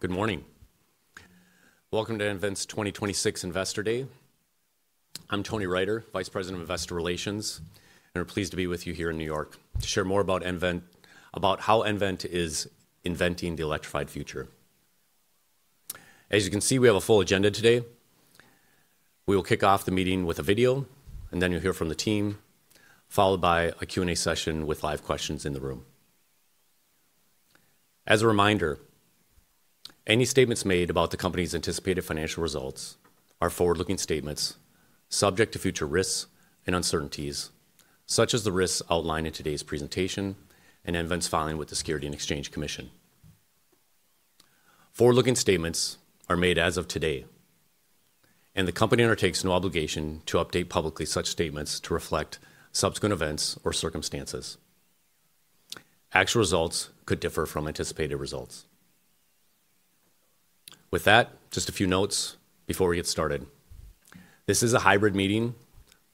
Good morning. Welcome to nVent's 2026 Investor Day. I'm Tony Riter, Vice President of Investor Relations, and we're pleased to be with you here in New York to share more about how nVent is inventing the electrified future. As you can see, we have a full agenda today. We will kick off the meeting with a video, and then you'll hear from the team, followed by a Q&A session with live questions in the room. As a reminder, any statements made about the company's anticipated financial results are forward-looking statements subject to future risks and uncertainties, such as the risks outlined in today's presentation and nVent's filing with the Securities and Exchange Commission. Forward-looking statements are made as of today, and the company undertakes no obligation to update publicly such statements to reflect subsequent events or circumstances. Actual results could differ from anticipated results. With that, just a few notes before we get started. This is a hybrid meeting,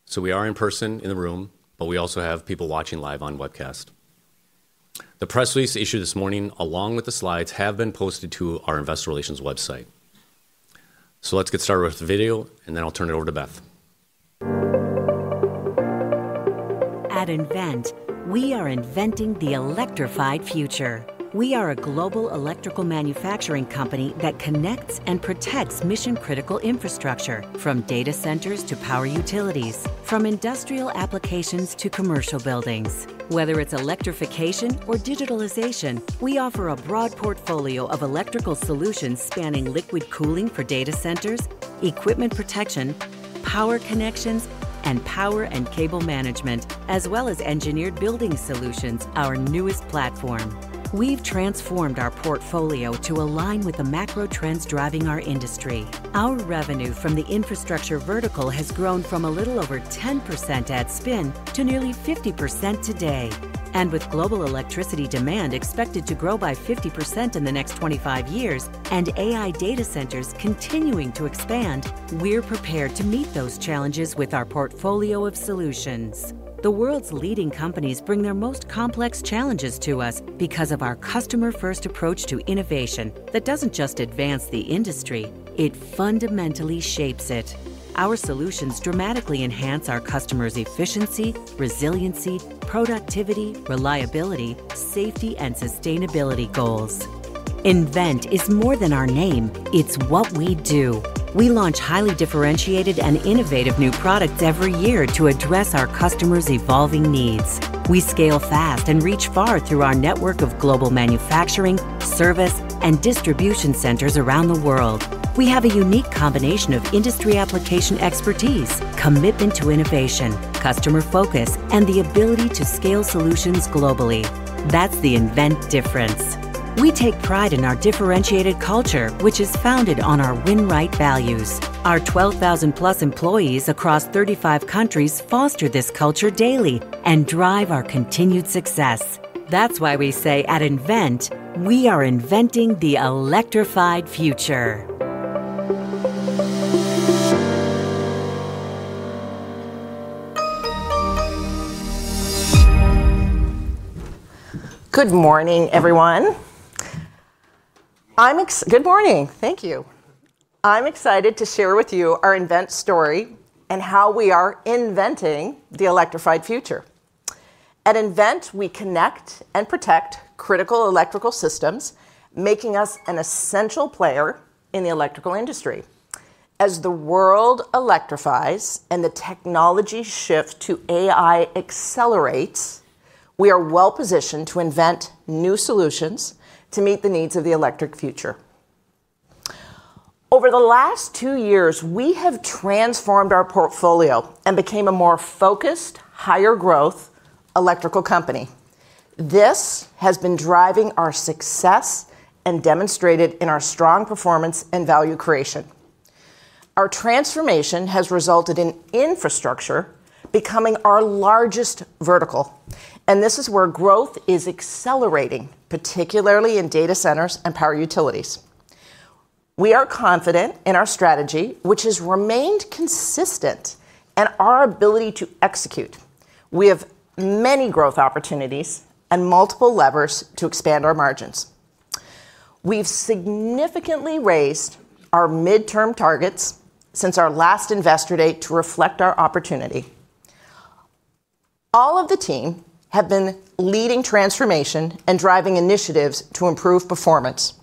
so we are in person in the room, but we also have people watching live on webcast. The press release issued this morning, along with the slides, have been posted to our investor relations website. Let's get started with the video, and then I'll turn it over to Beth. At nVent, we are inventing the electrified future. We are a global electrical manufacturing company that connects and protects mission-critical infrastructure, from data centers to power utilities, from industrial applications to commercial buildings. Whether it's electrification or digitalization, we offer a broad portfolio of electrical solutions spanning liquid cooling for data centers, equipment protection, power connections, and power and cable management, as well as engineered building solutions, our newest platform. We've transformed our portfolio to align with the macro trends driving our industry. Our revenue from the infrastructure vertical has grown from a little over 10% at spin to nearly 50% today. With global electricity demand expected to grow by 50% in the next 25 years and AI data centers continuing to expand, we're prepared to meet those challenges with our portfolio of solutions. The world's leading companies bring their most complex challenges to us because of our customer-first approach to innovation that doesn't just advance the industry, it fundamentally shapes it. Our solutions dramatically enhance our customers' efficiency, resiliency, productivity, reliability, safety, and sustainability goals. nVent is more than our name, it's what we do. We launch highly differentiated and innovative new products every year to address our customers' evolving needs. We scale fast and reach far through our network of global manufacturing, service, and distribution centers around the world. We have a unique combination of industry application expertise, commitment to innovation, customer focus, and the ability to scale solutions globally. That's the nVent difference. We take pride in our differentiated culture, which is founded on our Win Right values. Our 12,000-plus employees across 35 countries foster this culture daily and drive our continued success. That's why we say at nVent, we are inventing the electrified future. Good morning, everyone. Good morning. Thank you. I'm excited to share with you our nVent story and how we are inventing the electrified future. At nVent, we connect and protect critical electrical systems, making us an essential player in the electrical industry. As the world electrifies and the technology shift to AI accelerates, we are well-positioned to invent new solutions to meet the needs of the electric future. Over the last two years, we have transformed our portfolio and became a more focused, higher growth electrical company. This has been driving our success and demonstrated in our strong performance and value creation. Our transformation has resulted in infrastructure becoming our largest vertical, and this is where growth is accelerating, particularly in data centers and power utilities. We are confident in our strategy, which has remained consistent, and our ability to execute. We have many growth opportunities and multiple levers to expand our margins. We've significantly raised our midterm targets since our last investor day to reflect our opportunity. All of the team have been leading transformation and driving initiatives to improve performance.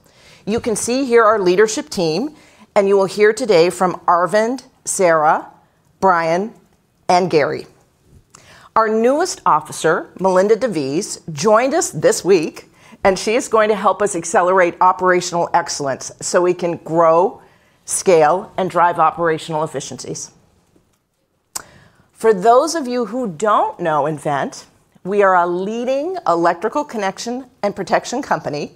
You can see here our leadership team, and you will hear today from Aravind, Sara, Brian, and Gary. Our newest officer, Mellinda Devese, joined us this week, and she is going to help us accelerate operational excellence, so we can grow, scale, and drive operational efficiencies. For those of you who don't know nVent, we are a leading electrical connection and protection company.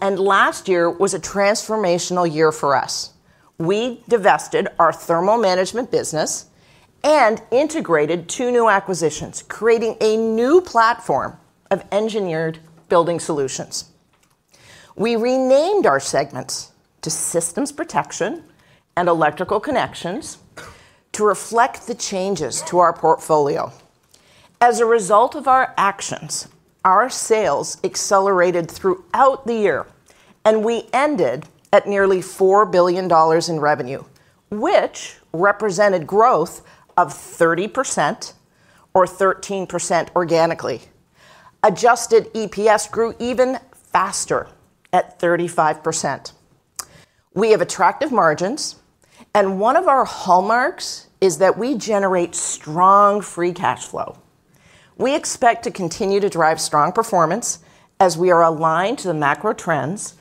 Last year was a transformational year for us. We divested our thermal management business and integrated two new acquisitions, creating a new platform of engineered building solutions. We renamed our segments to Systems Protection and Electrical Connections to reflect the changes to our portfolio. As a result of our actions, our sales accelerated throughout the year, and we ended at nearly $4 billion in revenue, which represented growth of 30% or 13% organically. Adjusted EPS grew even faster at 35%. We have attractive margins, and one of our hallmarks is that we generate strong free cash flow. We expect to continue to drive strong performance as we are aligned to the macro trends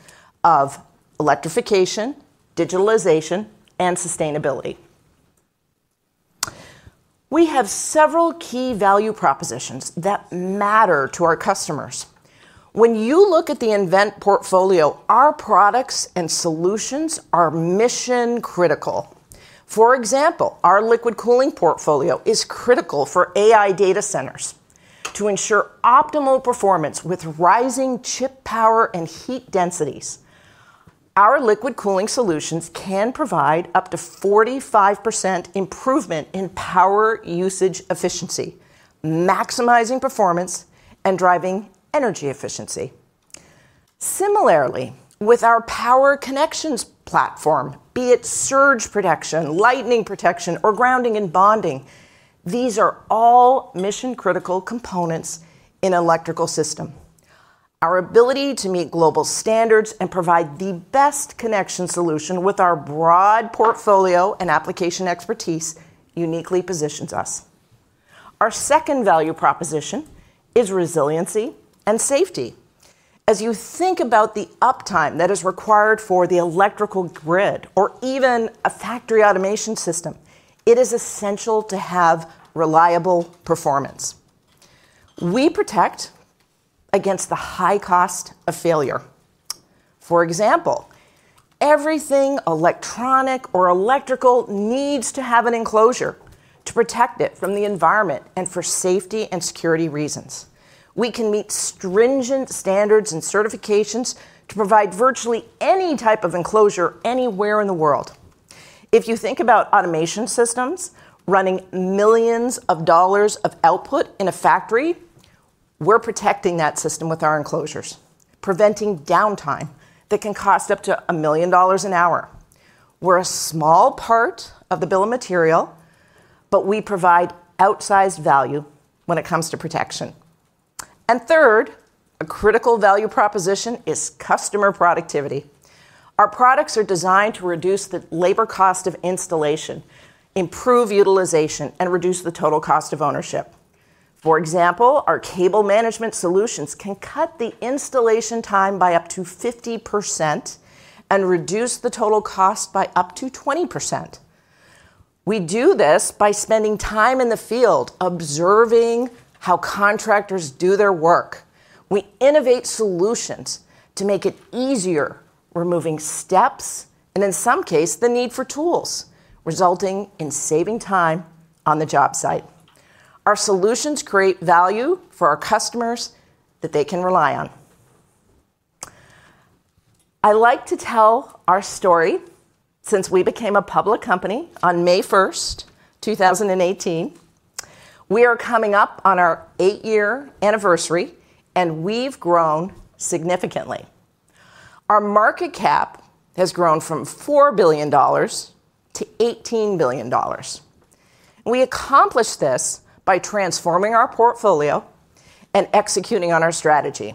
of electrification, digitalization, and sustainability. We have several key value propositions that matter to our customers. When you look at the nVent portfolio, our products and solutions are mission-critical. For example, our liquid cooling portfolio is critical for AI data centers to ensure optimal performance with rising chip power and heat densities. Our liquid cooling solutions can provide up to 45% improvement in power usage efficiency, maximizing performance and driving energy efficiency. Similarly, with our power connections platform, be it surge protection, lightning protection, or grounding and bonding, these are all mission-critical components in electrical system. Our ability to meet global standards and provide the best connection solution with our broad portfolio and application expertise uniquely positions us. Our second value proposition is resiliency and safety. As you think about the uptime that is required for the electrical grid or even a factory automation system, it is essential to have reliable performance. We protect against the high cost of failure. For example, everything electronic or electrical needs to have an enclosure to protect it from the environment and for safety and security reasons. We can meet stringent standards and certifications to provide virtually any type of enclosure anywhere in the world. If you think about automation systems running millions of dollars of output in a factory, we're protecting that system with our enclosures, preventing downtime that can cost up to $1 million an hour. We're a small part of the bill of material, but we provide outsized value when it comes to protection. Third, a critical value proposition is customer productivity. Our products are designed to reduce the labor cost of installation, improve utilization, and reduce the total cost of ownership. For example, our cable management solutions can cut the installation time by up to 50% and reduce the total cost by up to 20%. We do this by spending time in the field observing how contractors do their work. We innovate solutions to make it easier, removing steps, and in some cases, the need for tools, resulting in saving time on the job site. Our solutions create value for our customers that they can rely on. I like to tell our story since we became a public company on May 1, 2018. We are coming up on our eight-year anniversary, and we've grown significantly. Our market cap has grown from $4 billion to $18 billion. We accomplished this by transforming our portfolio and executing on our strategy.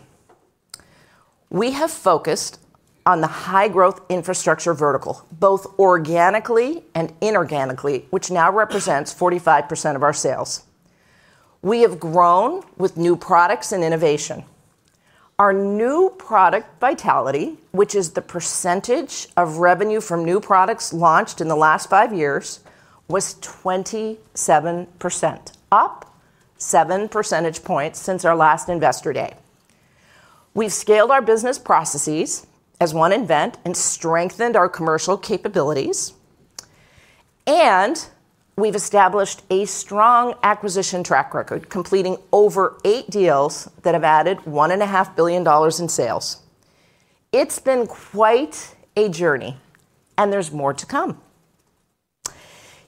We have focused on the high-growth infrastructure vertical, both organically and inorganically, which now represents 45% of our sales. We have grown with new products and innovation. Our New Product Vitality, which is the percentage of revenue from new products launched in the last five years, was 27%, up 7 percentage points since our last Investor Day. We've scaled our business processes as one nVent and strengthened our commercial capabilities, and we've established a strong acquisition track record, completing over eight deals that have added $1.5 billion in sales. It's been quite a journey, and there's more to come.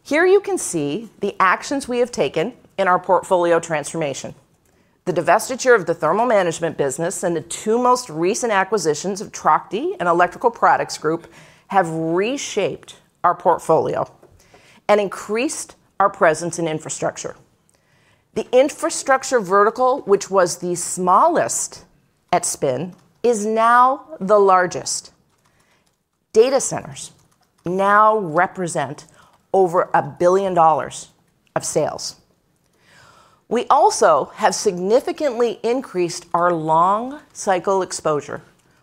Here you can see the actions we have taken in our portfolio transformation. The divestiture of the thermal management business and the two most recent acquisitions of Trachte and Electrical Products Group have reshaped our portfolio and increased our presence in infrastructure. The infrastructure vertical, which was the smallest at spin, is now the largest. Data centers now represent over $1 billion of sales. We also have significantly increased our long cycle exposure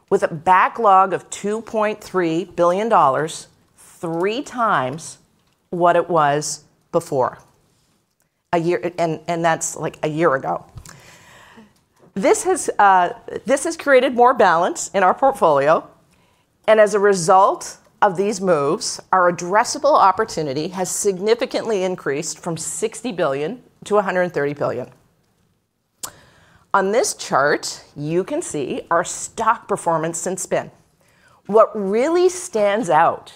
with a backlog of $2.3 billion, 3x what it was before, a year ago. That's, like, a year ago. This has created more balance in our portfolio, and as a result of these moves, our addressable opportunity has significantly increased from $60 billion to $130 billion. On this chart, you can see our stock performance since spin. What really stands out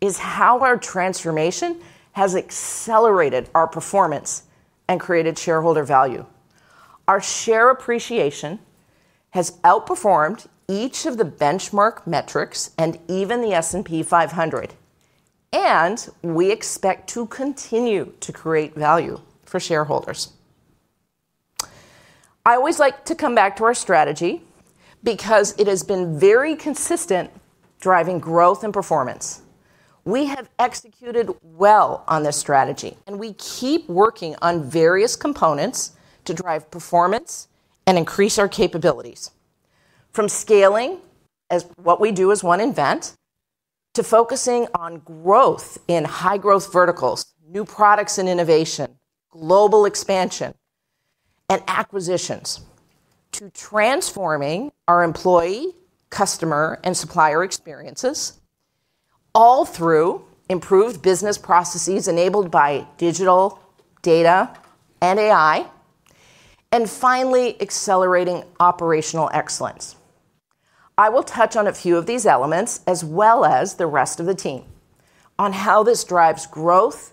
is how our transformation has accelerated our performance and created shareholder value. Our share appreciation has outperformed each of the benchmark metrics and even the S&P 500. We expect to continue to create value for shareholders. I always like to come back to our strategy because it has been very consistent driving growth and performance. We have executed well on this strategy, and we keep working on various components to drive performance and increase our capabilities. From scaling as what we do as one nVent to focusing on growth in high growth verticals, new products and innovation, global expansion and acquisitions, to transforming our employee, customer, and supplier experiences all through improved business processes enabled by digital data and AI, and finally accelerating operational excellence. I will touch on a few of these elements as well as the rest of the team on how this drives growth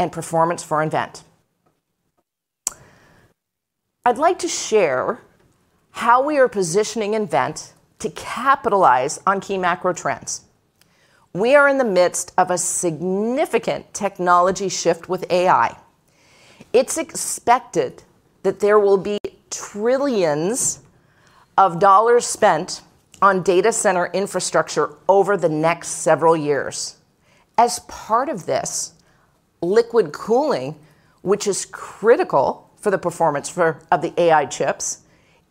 and performance for nVent. I'd like to share how we are positioning nVent to capitalize on key macro trends. We are in the midst of a significant technology shift with AI. It's expected that there will be trillions of dollars spent on data center infrastructure over the next several years. As part of this, liquid cooling, which is critical for the performance of the AI chips,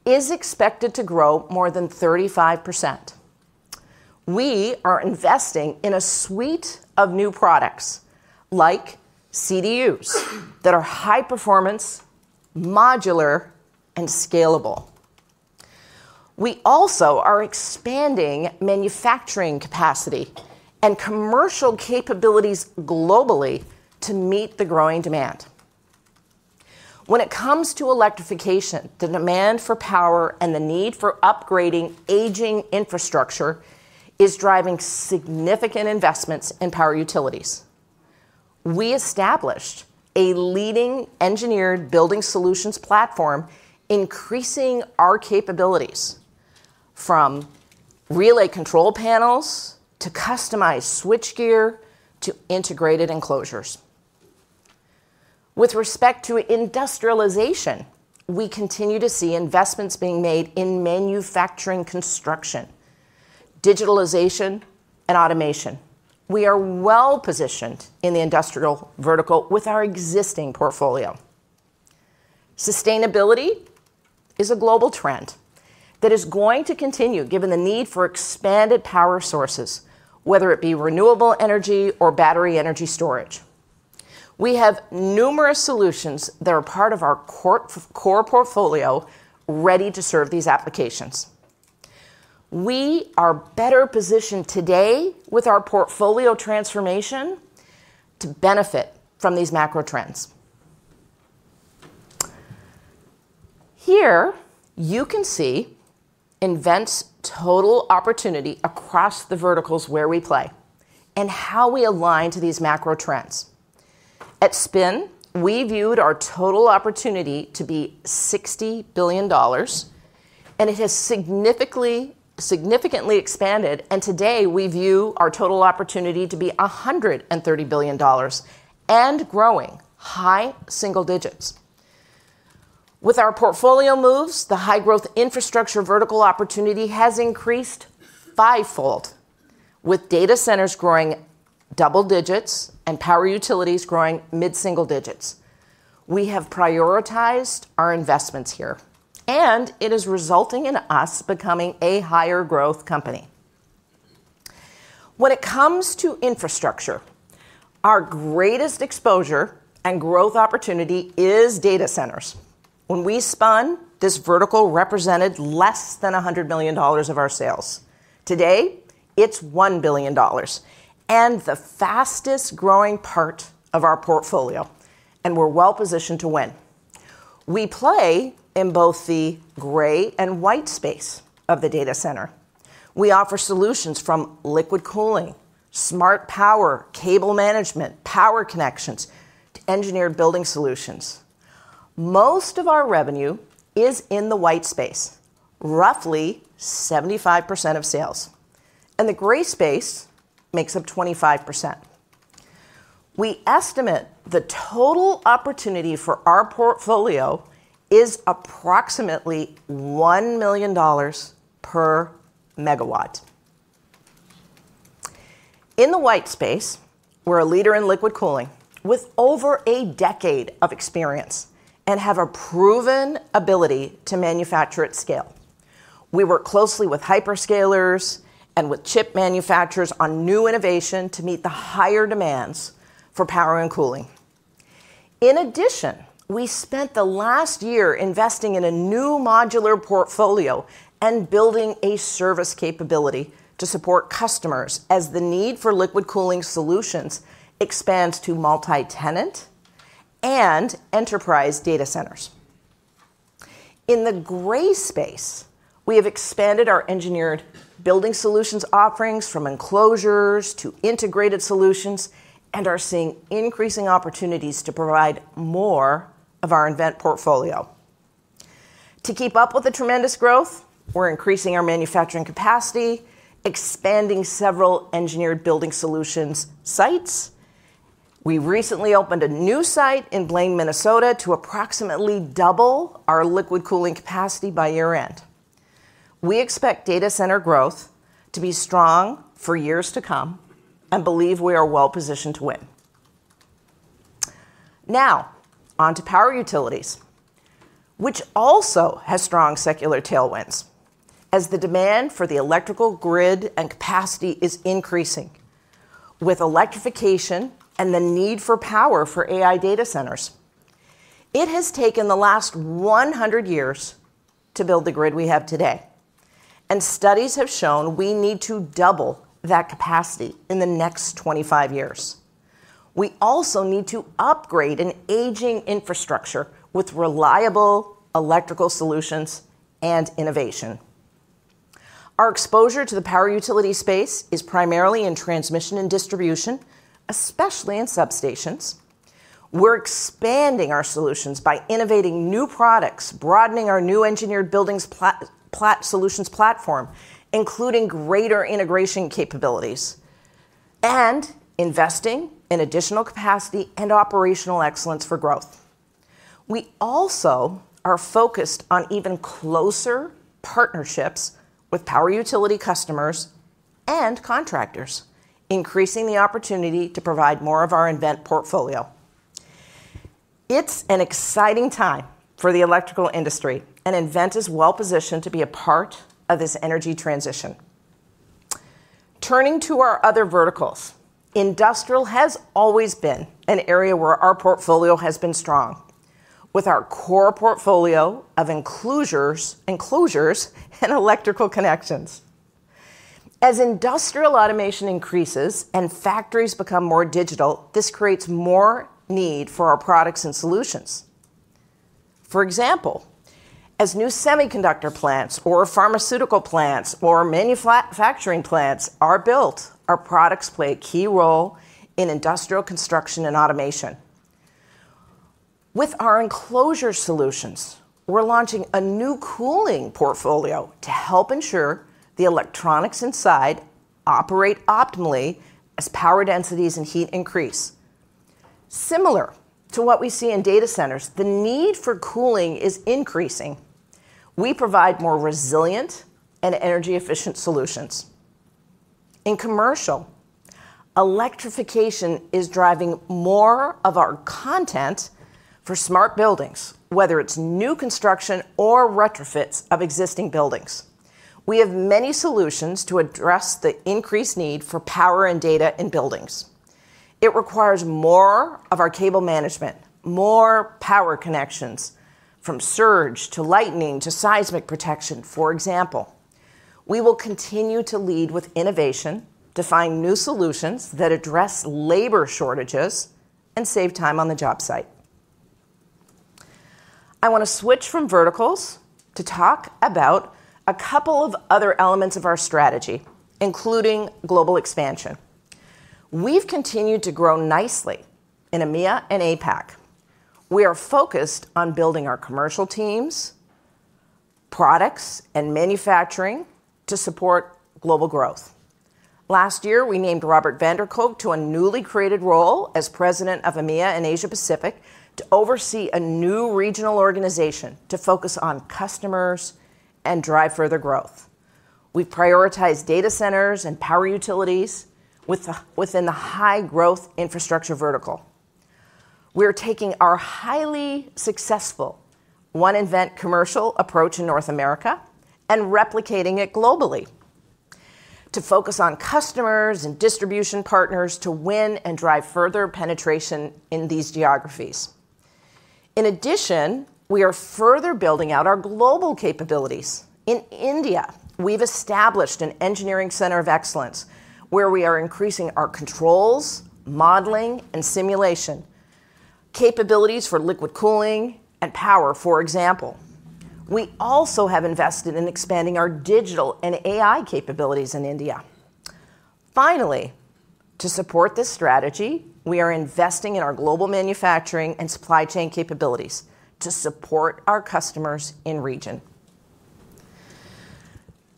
is expected to grow more than 35%. We are investing in a suite of new products like CDUs that are high performance, modular and scalable. We also are expanding manufacturing capacity and commercial capabilities globally to meet the growing demand. When it comes to electrification, the demand for power and the need for upgrading aging infrastructure is driving significant investments in power utilities. We established a leading engineered building solutions platform, increasing our capabilities from relay control panels to customized switchgear to integrated enclosures. With respect to industrialization, we continue to see investments being made in manufacturing construction, digitalization and automation. We are well positioned in the industrial vertical with our existing portfolio. Sustainability is a global trend that is going to continue given the need for expanded power sources, whether it be renewable energy or battery energy storage. We have numerous solutions that are part of our core portfolio ready to serve these applications. We are better positioned today with our portfolio transformation to benefit from these macro trends. Here you can see nVent's total opportunity across the verticals where we play and how we align to these macro trends. At spin, we viewed our total opportunity to be $60 billion, and it has significantly expanded, and today we view our total opportunity to be $130 billion and growing high single digits. With our portfolio moves, the high growth infrastructure vertical opportunity has increased fivefold. With data centers growing double digits and power utilities growing mid-single digits. We have prioritized our investments here, and it is resulting in us becoming a higher growth company. When it comes to infrastructure, our greatest exposure and growth opportunity is data centers. When we spun, this vertical represented less than $100 million of our sales. Today it's $1 billion and the fastest growing part of our portfolio and we're well positioned to win. We play in both the gray and white space of the data center. We offer solutions from liquid cooling, smart power, cable management, power connections to engineered building solutions. Most of our revenue is in the white space, roughly 75% of sales, and the gray space makes up 25%. We estimate the total opportunity for our portfolio is approximately $1 million per megawatt. In the white space, we're a leader in liquid cooling with over a decade of experience and have a proven ability to manufacture at scale. We work closely with hyperscalers and with chip manufacturers on new innovation to meet the higher demands for power and cooling. In addition, we spent the last year investing in a new modular portfolio and building a service capability to support customers as the need for liquid cooling solutions expands to multi-tenant and enterprise data centers. In the gray space we have expanded our engineered building solutions offerings from enclosures to integrated solutions and are seeing increasing opportunities to provide more of our nVent portfolio. To keep up with the tremendous growth, we're increasing our manufacturing capacity, expanding several engineered building solutions sites. We recently opened a new site in Blaine, Minnesota, to approximately double our liquid cooling capacity by year-end. We expect data center growth to be strong for years to come and believe we are well positioned to win. Now on to power utilities, which also has strong secular tailwinds as the demand for the electrical grid and capacity is increasing with electrification and the need for power for AI data centers. It has taken the last 100 years to build the grid we have today, and studies have shown we need to double that capacity in the next 25 years. We also need to upgrade an aging infrastructure with reliable electrical solutions and innovation. Our exposure to the power utility space is primarily in transmission and distribution, especially in substations. We're expanding our solutions by innovating new products, broadening our new engineered buildings solutions platform, including greater integration capabilities and investing in additional capacity and operational excellence for growth. We also are focused on even closer partnerships with power utility customers and contractors, increasing the opportunity to provide more of our nVent portfolio. It's an exciting time for the electrical industry, and nVent is well positioned to be a part of this energy transition. Turning to our other verticals, industrial has always been an area where our portfolio has been strong with our core portfolio of enclosures and electrical connections. As industrial automation increases and factories become more digital, this creates more need for our products and solutions. For example, as new semiconductor plants or pharmaceutical plants or manufacturing plants are built, our products play a key role in industrial construction and automation. With our enclosure solutions, we're launching a new cooling portfolio to help ensure the electronics inside operate optimally as power densities and heat increase. Similar to what we see in data centers, the need for cooling is increasing. We provide more resilient and energy efficient solutions. In commercial, electrification is driving more of our conduit for smart buildings, whether it's new construction or retrofits of existing buildings. We have many solutions to address the increased need for power and data in buildings. It requires more of our cable management, more power connections from surge to lightning to seismic protection, for example. We will continue to lead with innovation to find new solutions that address labor shortages and save time on the job site. I want to switch from verticals to talk about a couple of other elements of our strategy, including global expansion. We've continued to grow nicely in EMEA and APAC. We are focused on building our commercial teams, products, and manufacturing to support global growth. Last year, we named Robert van der Kolk to a newly created role as President of EMEA and Asia Pacific to oversee a new regional organization to focus on customers and drive further growth. We prioritize data centers and power utilities within the high growth infrastructure vertical. We are taking our highly successful one nVent commercial approach in North America and replicating it globally to focus on customers and distribution partners to win and drive further penetration in these geographies. In addition, we are further building out our global capabilities. In India, we've established an engineering center of excellence where we are increasing our controls, modeling, and simulation capabilities for liquid cooling and power, for example. We also have invested in expanding our digital and AI capabilities in India. Finally, to support this strategy, we are investing in our global manufacturing and supply chain capabilities to support our customers in region.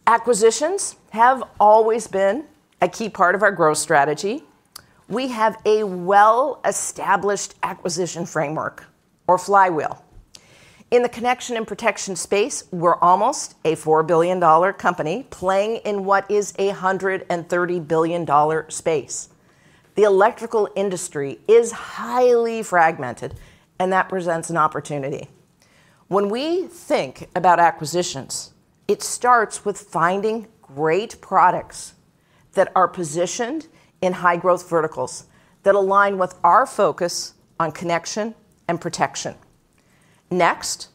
Acquisitions have always been a key part of our growth strategy. We have a well-established acquisition framework or flywheel. In the connection and protection space, we're almost a $4 billion company playing in what is a $130 billion space. The electrical industry is highly fragmented, and that presents an opportunity. When we think about acquisitions, it starts with finding great products that are positioned in high growth verticals that align with our focus on connection and protection. Next,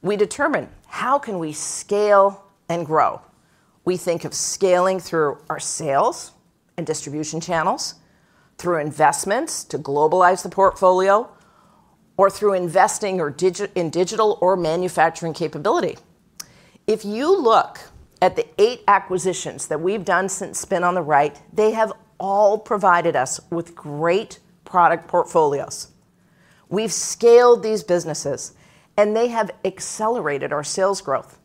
we determine how can we scale and grow. We think of scaling through our sales and distribution channels. Through investments to globalize the portfolio, or through investing in digital or manufacturing capability. If you look at the eight acquisitions that we've done since spin on the right, they have all provided us with great product portfolios. We've scaled these businesses, and they have accelerated our sales growth.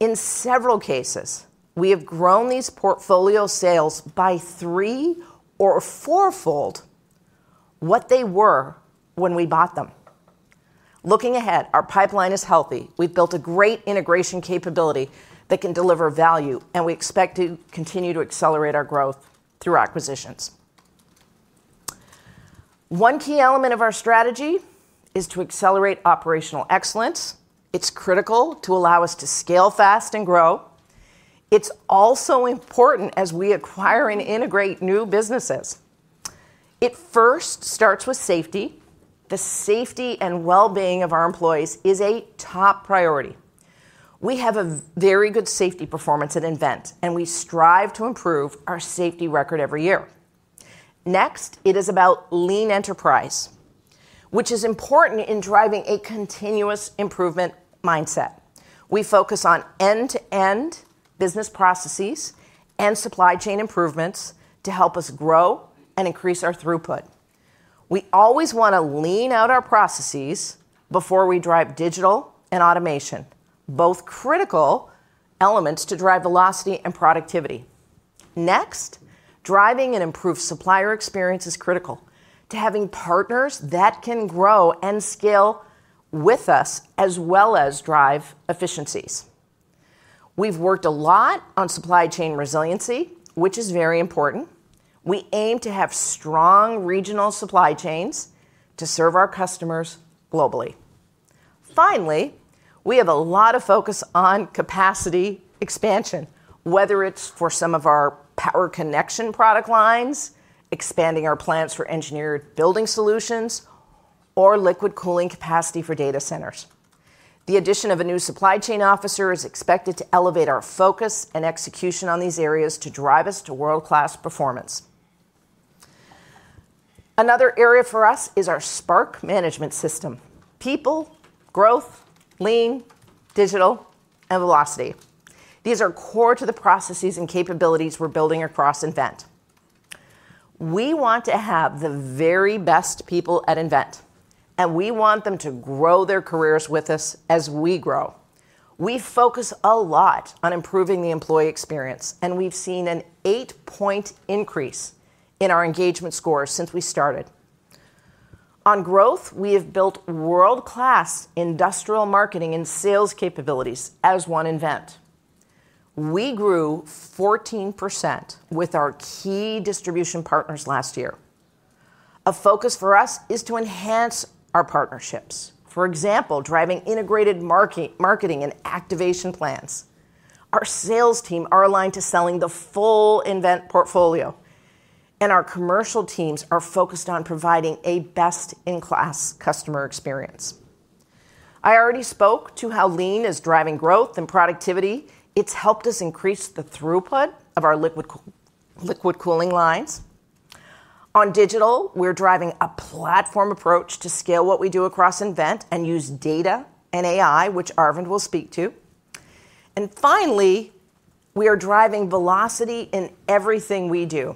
In several cases, we have grown these portfolio sales by three- or four-fold what they were when we bought them. Looking ahead, our pipeline is healthy. We've built a great integration capability that can deliver value, and we expect to continue to accelerate our growth through acquisitions. One key element of our strategy is to accelerate operational excellence. It's critical to allow us to scale fast and grow. It's also important as we acquire and integrate new businesses. It first starts with safety. The safety and well-being of our employees is a top priority. We have a very good safety performance at nVent, and we strive to improve our safety record every year. Next, it is about lean enterprise, which is important in driving a continuous improvement mindset. We focus on end-to-end business processes and supply chain improvements to help us grow and increase our throughput. We always want to lean out our processes before we drive digital and automation, both critical elements to drive velocity and productivity. Next, driving an improved supplier experience is critical to having partners that can grow and scale with us, as well as drive efficiencies. We've worked a lot on supply chain resiliency, which is very important. We aim to have strong regional supply chains to serve our customers globally. Finally, we have a lot of focus on capacity expansion, whether it's for some of our power connection product lines, expanding our plants for engineered building solutions, or liquid cooling capacity for data centers. The addition of a new supply chain officer is expected to elevate our focus and execution on these areas to drive us to world-class performance. Another area for us is our SPARK Management System, people, growth, lean, digital, and velocity. These are core to the processes and capabilities we're building across nVent. We want to have the very best people at nVent, and we want them to grow their careers with us as we grow. We focus a lot on improving the employee experience, and we've seen an eight-point increase in our engagement score since we started. On growth, we have built world-class industrial marketing and sales capabilities as one nVent. We grew 14% with our key distribution partners last year. A focus for us is to enhance our partnerships, for example, driving integrated market-marketing and activation plans. Our sales team are aligned to selling the full nVent portfolio, and our commercial teams are focused on providing a best-in-class customer experience. I already spoke to how lean is driving growth and productivity. It's helped us increase the throughput of our liquid cooling lines. On digital, we're driving a platform approach to scale what we do across nVent and use data and AI, which Aravind will speak to. Finally, we are driving velocity in everything we do,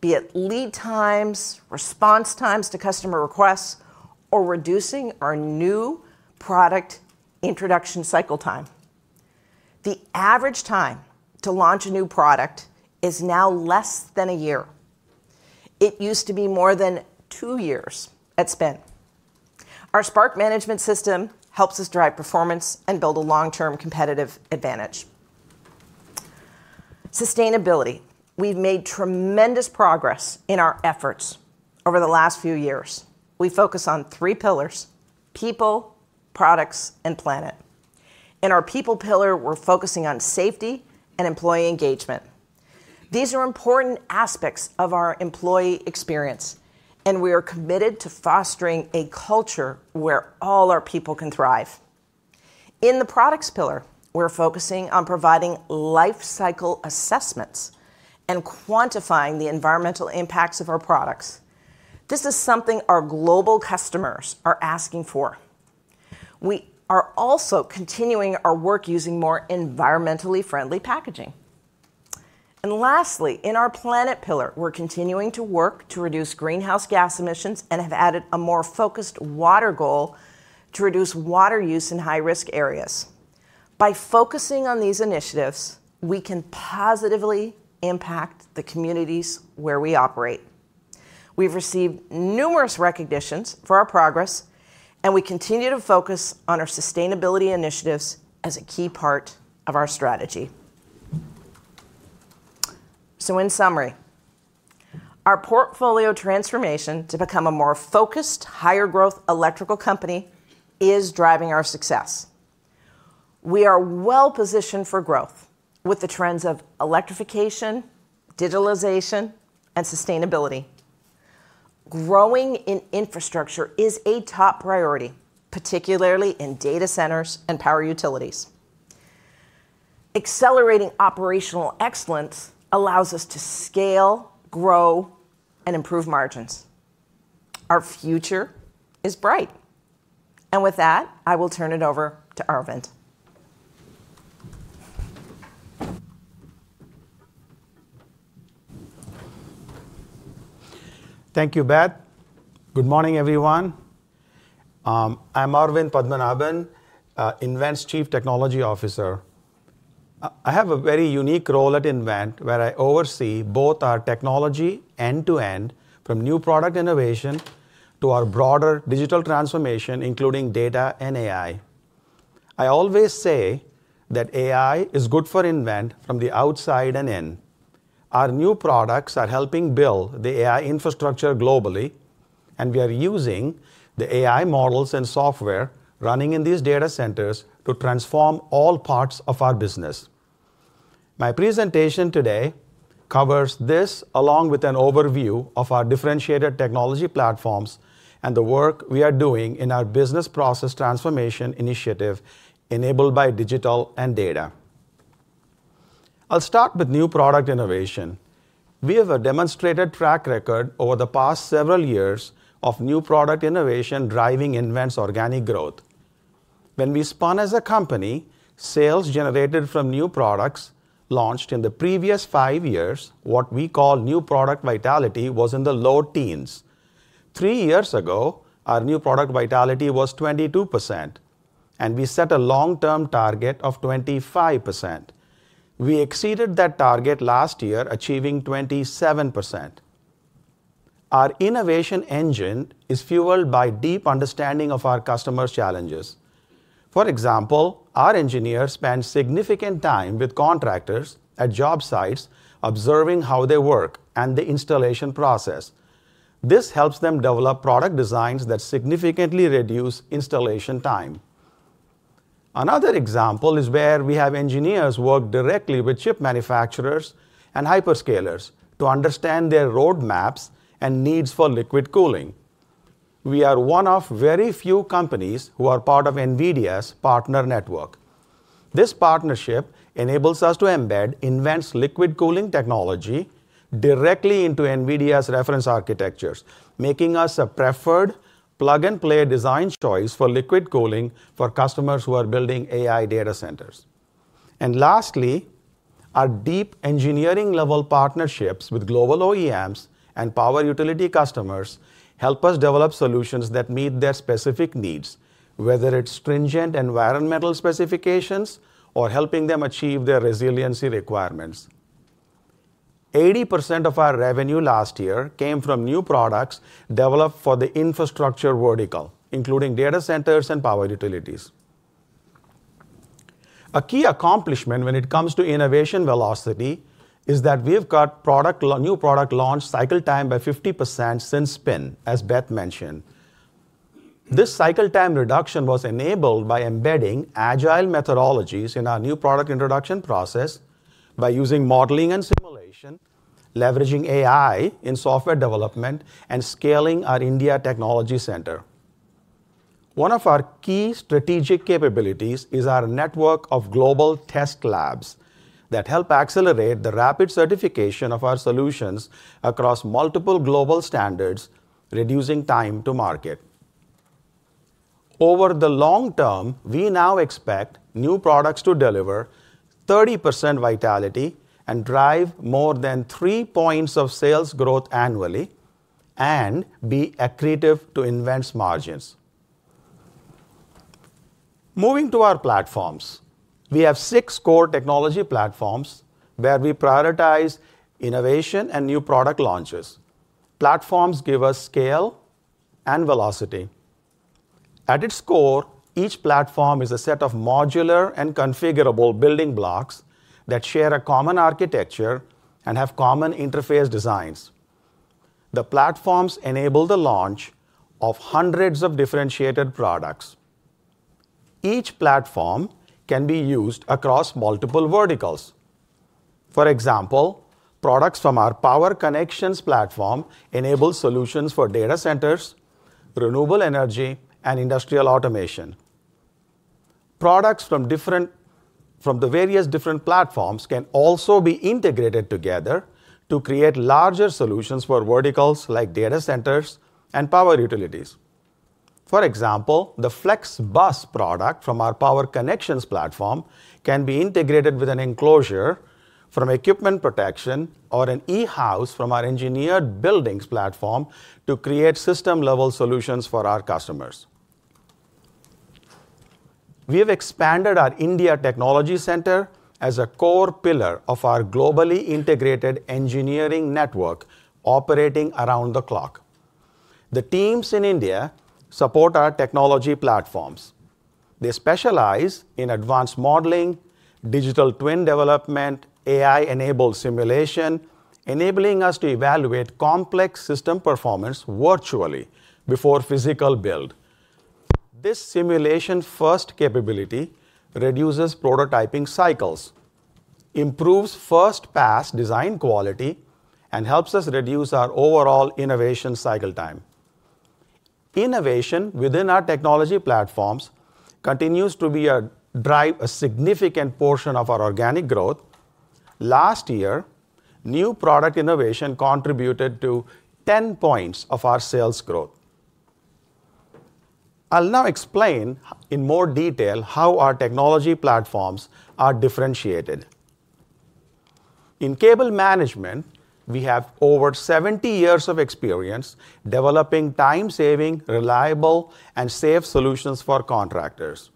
be it lead times, response times to customer requests, or reducing our new product introduction cycle time. The average time to launch a new product is now less than a year. It used to be more than two years at Spin. Our SPARK Management System helps us drive performance and build a long-term competitive advantage. Sustainability. We've made tremendous progress in our efforts over the last few years. We focus on three pillars: people, products, and planet. In our people pillar, we're focusing on safety and employee engagement. These are important aspects of our employee experience, and we are committed to fostering a culture where all our people can thrive. In the products pillar, we're focusing on providing life cycle assessments and quantifying the environmental impacts of our products. This is something our global customers are asking for. We are also continuing our work using more environmentally friendly packaging. Lastly, in our planet pillar, we're continuing to work to reduce greenhouse gas emissions and have added a more focused water goal to reduce water use in high-risk areas. By focusing on these initiatives, we can positively impact the communities where we operate. We've received numerous recognitions for our progress, and we continue to focus on our sustainability initiatives as a key part of our strategy. In summary, our portfolio transformation to become a more focused, higher growth electrical company is driving our success. We are well-positioned for growth with the trends of electrification, digitalization, and sustainability. Growing in infrastructure is a top priority, particularly in data centers and power utilities. Accelerating operational excellence allows us to scale, grow, and improve margins. Our future is bright. With that, I will turn it over to Aravind. Thank you, Beth. Good morning, everyone. I'm Aravind Padmanabhan, nVent's Chief Technology Officer. I have a very unique role at nVent, where I oversee both our technology end-to-end from new product innovation to our broader digital transformation, including data and AI. I always say that AI is good for nVent from the outside and in. Our new products are helping build the AI infrastructure globally, and we are using the AI models and software running in these data centers to transform all parts of our business. My presentation today covers this, along with an overview of our differentiated technology platforms and the work we are doing in our business process transformation initiative enabled by digital and data. I'll start with new product innovation. We have a demonstrated track record over the past several years of new product innovation driving nVent's organic growth. When we spun as a company, sales generated from new products launched in the previous five years, what we call New Product Vitality, was in the low teens. Three years ago, our New Product Vitality was 22%, and we set a long-term target of 25%. We exceeded that target last year, achieving 27%. Our innovation engine is fueled by deep understanding of our customers' challenges. For example, our engineers spend significant time with contractors at job sites observing how they work and the installation process. This helps them develop product designs that significantly reduce installation time. Another example is where we have engineers work directly with chip manufacturers and hyperscalers to understand their roadmaps and needs for liquid cooling. We are one of very few companies who are part of NVIDIA's Partner Network. This partnership enables us to embed nVent's liquid cooling technology directly into NVIDIA's reference architectures, making us a preferred plug-and-play design choice for liquid cooling for customers who are building AI data centers. Lastly, our deep engineering-level partnerships with global OEMs and power utility customers help us develop solutions that meet their specific needs, whether it's stringent environmental specifications or helping them achieve their resiliency requirements. 80% of our revenue last year came from new products developed for the infrastructure vertical, including data centers and power utilities. A key accomplishment when it comes to innovation velocity is that we've got new product launch cycle time by 50% since spin, as Beth mentioned. This cycle time reduction was enabled by embedding agile methodologies in our new product introduction process by using modeling and simulation, leveraging AI in software development, and scaling our India technology center. One of our key strategic capabilities is our network of global test labs that help accelerate the rapid certification of our solutions across multiple global standards, reducing time to market. Over the long term, we now expect new products to deliver 30% vitality and drive more than three points of sales growth annually and be accretive to nVent's margins. Moving to our platforms. We have six core technology platforms where we prioritize innovation and new product launches. Platforms give us scale and velocity. At its core, each platform is a set of modular and configurable building blocks that share a common architecture and have common interface designs. The platforms enable the launch of hundreds of differentiated products. Each platform can be used across multiple verticals. For example, products from our power connections platform enable solutions for data centers, renewable energy, and industrial automation. Products from different from the various different platforms can also be integrated together to create larger solutions for verticals like data centers and power utilities. For example, the FleXbus product from our power connections platform can be integrated with an enclosure from equipment protection or an e-house from our engineered buildings platform to create system-level solutions for our customers. We have expanded our India technology center as a core pillar of our globally integrated engineering network operating around the clock. The teams in India support our technology platforms. They specialize in advanced modeling, digital twin development, AI-enabled simulation, enabling us to evaluate complex system performance virtually before physical build. This simulation-first capability reduces prototyping cycles, improves first pass design quality, and helps us reduce our overall innovation cycle time. Innovation within our technology platforms continues to be a driver, a significant portion of our organic growth. Last year, new product innovation contributed to 10 points of our sales growth. I'll now explain in more detail how our technology platforms are differentiated. In cable management, we have over 70 years of experience developing time-saving, reliable, and safe solutions for contractors.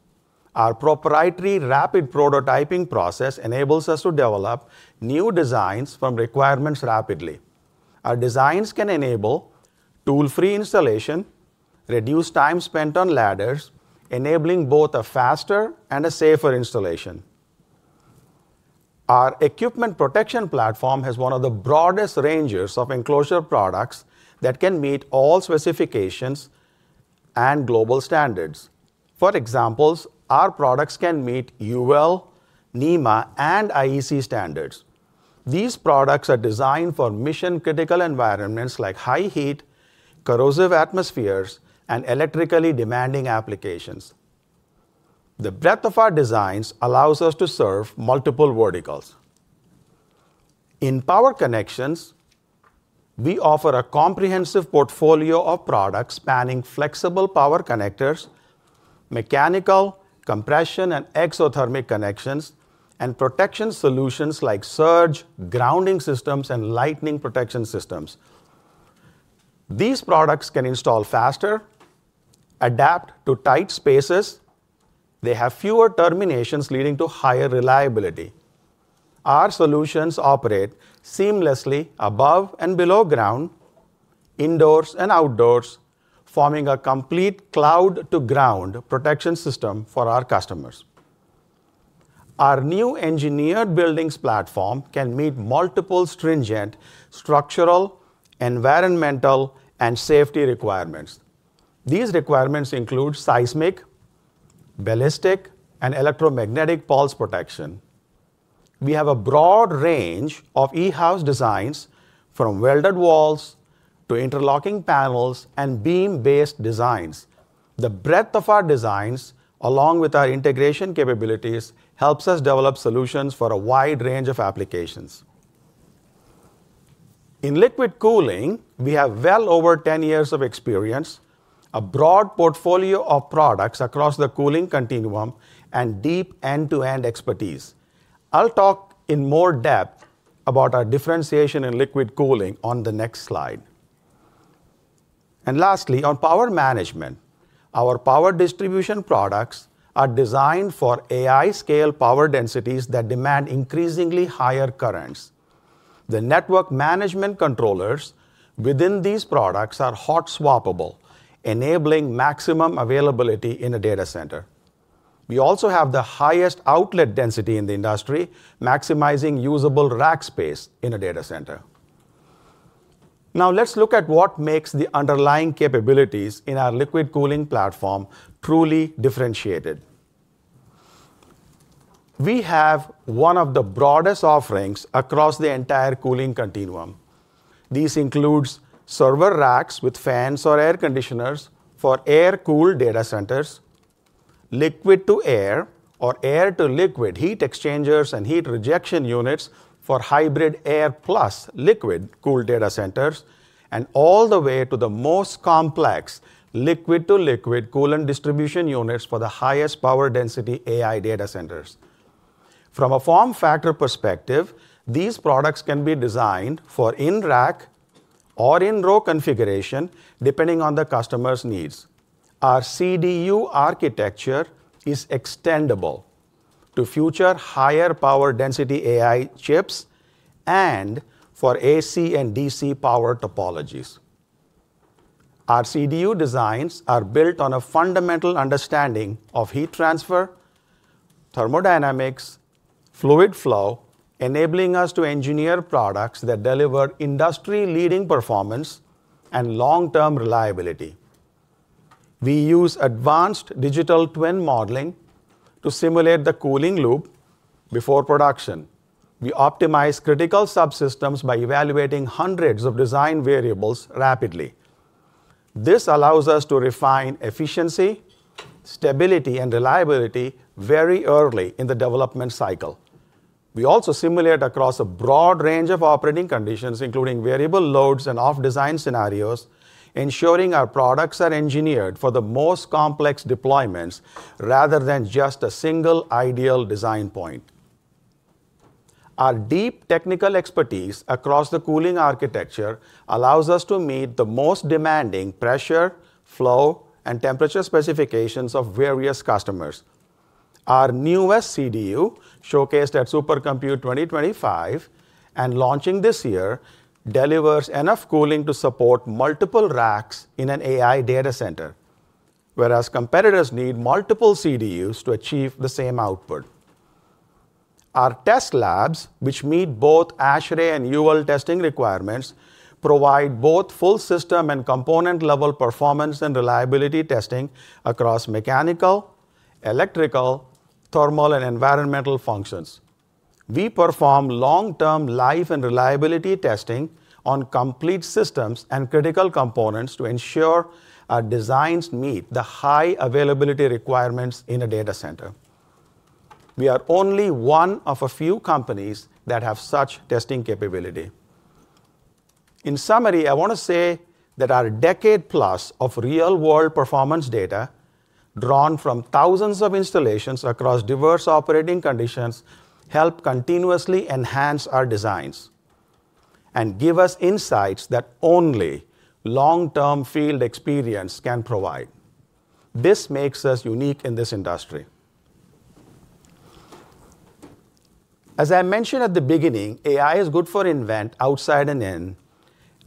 Our proprietary rapid prototyping process enables us to develop new designs from requirements rapidly. Our designs can enable tool-free installation, reduce time spent on ladders, enabling both a faster and a safer installation. Our equipment protection platform has one of the broadest ranges of enclosure products that can meet all specifications and global standards. For example, our products can meet UL, NEMA, and IEC standards. These products are designed for mission-critical environments like high heat, corrosive atmospheres, and electrically demanding applications. The breadth of our designs allows us to serve multiple verticals. In power connections, we offer a comprehensive portfolio of products spanning flexible power connectors, mechanical compression and exothermic connections, and protection solutions like surge, grounding systems, and lightning protection systems. These products can install faster, adapt to tight spaces. They have fewer terminations, leading to higher reliability. Our solutions operate seamlessly above and below ground, indoors and outdoors, forming a complete cloud to ground protection system for our customers. Our new engineered buildings platform can meet multiple stringent structural, environmental, and safety requirements. These requirements include seismic, ballistic, and electromagnetic pulse protection. We have a broad range of e-house designs from welded walls to interlocking panels and beam-based designs. The breadth of our designs, along with our integration capabilities, helps us develop solutions for a wide range of applications. In liquid cooling, we have well over 10 years of experience, a broad portfolio of products across the cooling continuum, and deep end-to-end expertise. I'll talk in more depth about our differentiation in liquid cooling on the next slide. Lastly, on power management, our power distribution products are designed for AI scale power densities that demand increasingly higher currents. The network management controllers within these products are hot swappable, enabling maximum availability in a data center. We also have the highest outlet density in the industry, maximizing usable rack space in a data center. Now, let's look at what makes the underlying capabilities in our liquid cooling platform truly differentiated. We have one of the broadest offerings across the entire cooling continuum. This includes server racks with fans or air conditioners for air-cooled data centers, liquid-to-air or air-to-liquid heat exchangers and heat rejection units for hybrid air plus liquid-cooled data centers, and all the way to the most complex liquid-to-liquid coolant distribution units for the highest power density AI data centers. From a form factor perspective, these products can be designed for in-rack or in-row configuration, depending on the customer's needs. Our CDU architecture is extendable to future higher power density AI chips and for AC and DC power topologies. Our CDU designs are built on a fundamental understanding of heat transfer, thermodynamics, fluid flow, enabling us to engineer products that deliver industry-leading performance and long-term reliability. We use advanced digital twin modeling to simulate the cooling loop before production. We optimize critical subsystems by evaluating hundreds of design variables rapidly. This allows us to refine efficiency, stability, and reliability very early in the development cycle. We also simulate across a broad range of operating conditions, including variable loads and off-design scenarios, ensuring our products are engineered for the most complex deployments rather than just a single ideal design point. Our deep technical expertise across the cooling architecture allows us to meet the most demanding pressure, flow, and temperature specifications of various customers. Our newest CDU, showcased at Supercomputing 2025 and launching this year, delivers enough cooling to support multiple racks in an AI data center, whereas competitors need multiple CDUs to achieve the same output. Our test labs, which meet both ASHRAE and UL testing requirements, provide both full system and component-level performance and reliability testing across mechanical, electrical, thermal, and environmental functions. We perform long-term life and reliability testing on complete systems and critical components to ensure our designs meet the high availability requirements in a data center. We are only one of a few companies that have such testing capability. In summary, I wanna say that our decade plus of real-world performance data drawn from thousands of installations across diverse operating conditions help continuously enhance our designs and give us insights that only long-term field experience can provide. This makes us unique in this industry. As I mentioned at the beginning, AI is good for nVent outside and in.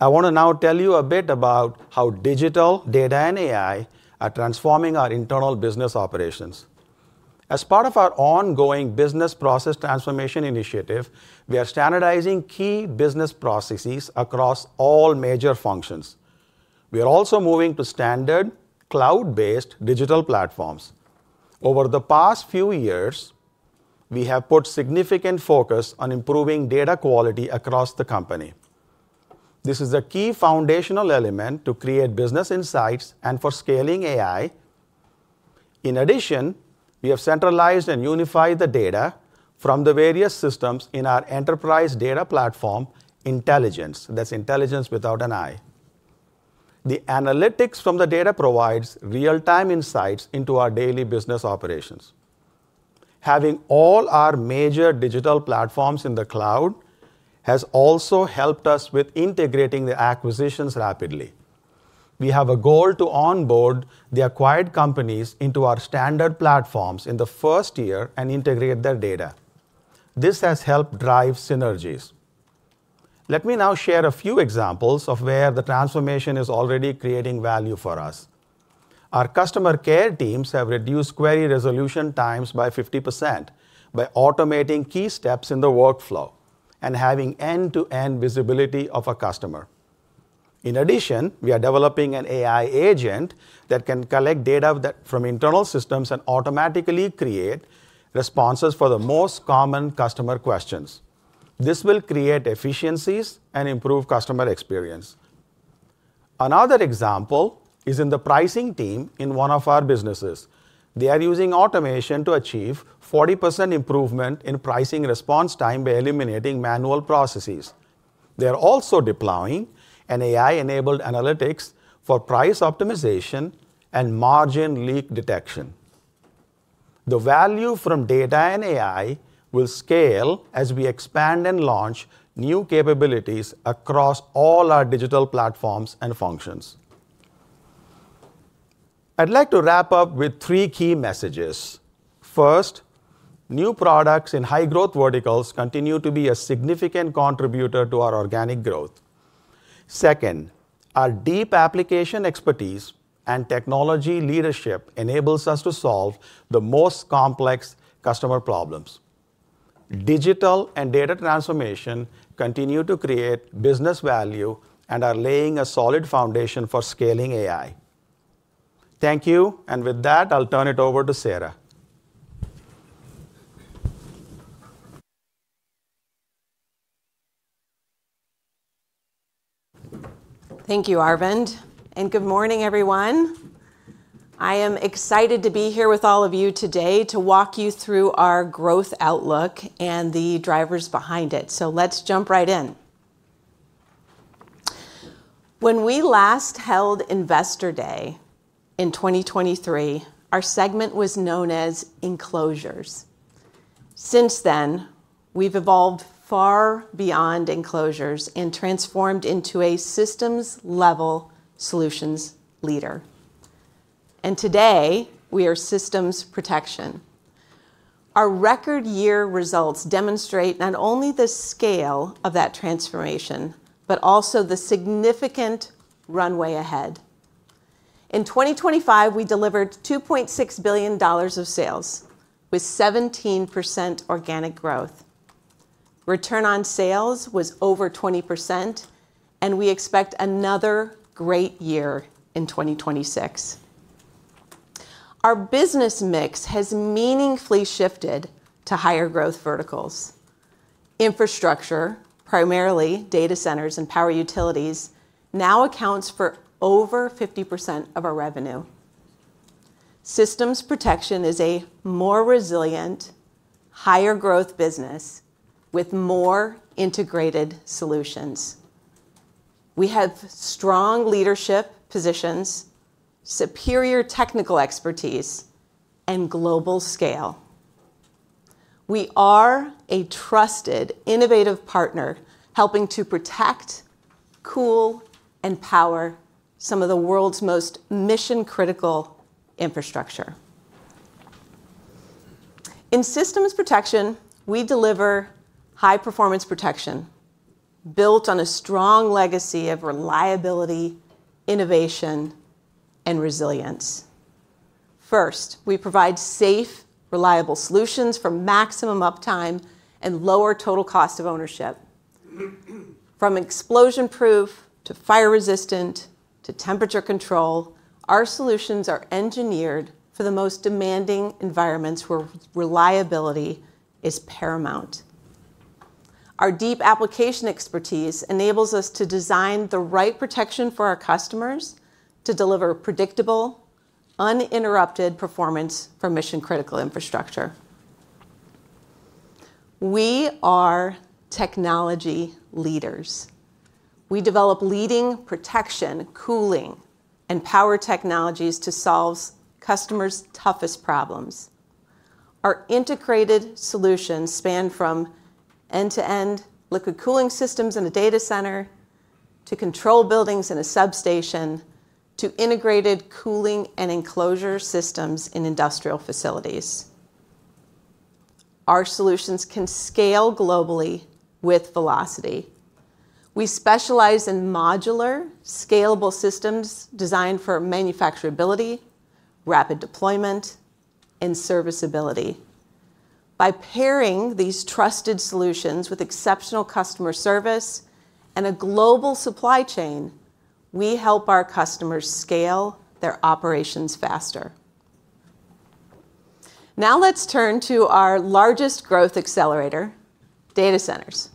I wanna now tell you a bit about how digital data and AI are transforming our internal business operations. As part of our ongoing business process transformation initiative, we are standardizing key business processes across all major functions. We are also moving to standard cloud-based digital platforms. Over the past few years, we have put significant focus on improving data quality across the company. This is a key foundational element to create business insights and for scaling AI. In addition, we have centralized and unified the data from the various systems in our enterprise data platform, Intelligens. That's intelligence without an I. The analytics from the data provides real-time insights into our daily business operations. Having all our major digital platforms in the cloud has also helped us with integrating the acquisitions rapidly. We have a goal to onboard the acquired companies into our standard platforms in the first year and integrate their data. This has helped drive synergies. Let me now share a few examples of where the transformation is already creating value for us. Our customer care teams have reduced query resolution times by 50% by automating key steps in the workflow and having end-to-end visibility of a customer. In addition, we are developing an AI agent that can collect data from internal systems and automatically create responses for the most common customer questions. This will create efficiencies and improve customer experience. Another example is in the pricing team in one of our businesses. They are using automation to achieve 40% improvement in pricing response time by eliminating manual processes. They're also deploying an AI-enabled analytics for price optimization and margin leak detection. The value from data and AI will scale as we expand and launch new capabilities across all our digital platforms and functions. I'd like to wrap up with three key messages. First, new products in high-growth verticals continue to be a significant contributor to our organic growth. Second, our deep application expertise and technology leadership enables us to solve the most complex customer problems. Digital and data transformation continue to create business value and are laying a solid foundation for scaling AI. Thank you. With that, I'll turn it over to Sara. Thank you, Arvind. Good morning, everyone. I am excited to be here with all of you today to walk you through our growth outlook and the drivers behind it. Let's jump right in. When we last held Investor Day in 2023, our segment was known as Enclosures. Since then, we've evolved far beyond enclosures and transformed into a systems-level solutions leader. Today, we are Systems Protection. Our record year results demonstrate not only the scale of that transformation, but also the significant runway ahead. In 2025, we delivered $2.6 billion of sales with 17% organic growth. Return on sales was over 20%, and we expect another great year in 2026. Our business mix has meaningfully shifted to higher growth verticals. Infrastructure, primarily data centers and power utilities, now accounts for over 50% of our revenue. Systems Protection is a more resilient, higher growth business with more integrated solutions. We have strong leadership positions, superior technical expertise, and global scale. We are a trusted, innovative partner helping to protect, cool, and power some of the world's most mission-critical infrastructure. In Systems Protection, we deliver high-performance protection built on a strong legacy of reliability, innovation, and resilience. First, we provide safe, reliable solutions for maximum uptime and lower total cost of ownership. From explosion-proof to fire-resistant to temperature control, our solutions are engineered for the most demanding environments where reliability is paramount. Our deep application expertise enables us to design the right protection for our customers to deliver predictable, uninterrupted performance for mission-critical infrastructure. We are technology leaders. We develop leading protection, cooling, and power technologies to solve customers' toughest problems. Our integrated solutions span from end-to-end liquid cooling systems in a data center to control buildings in a substation, to integrated cooling and enclosure systems in industrial facilities. Our solutions can scale globally with velocity. We specialize in modular, scalable systems designed for manufacturability, rapid deployment, and serviceability. By pairing these trusted solutions with exceptional customer service and a global supply chain, we help our customers scale their operations faster. Now let's turn to our largest growth accelerator, data centers.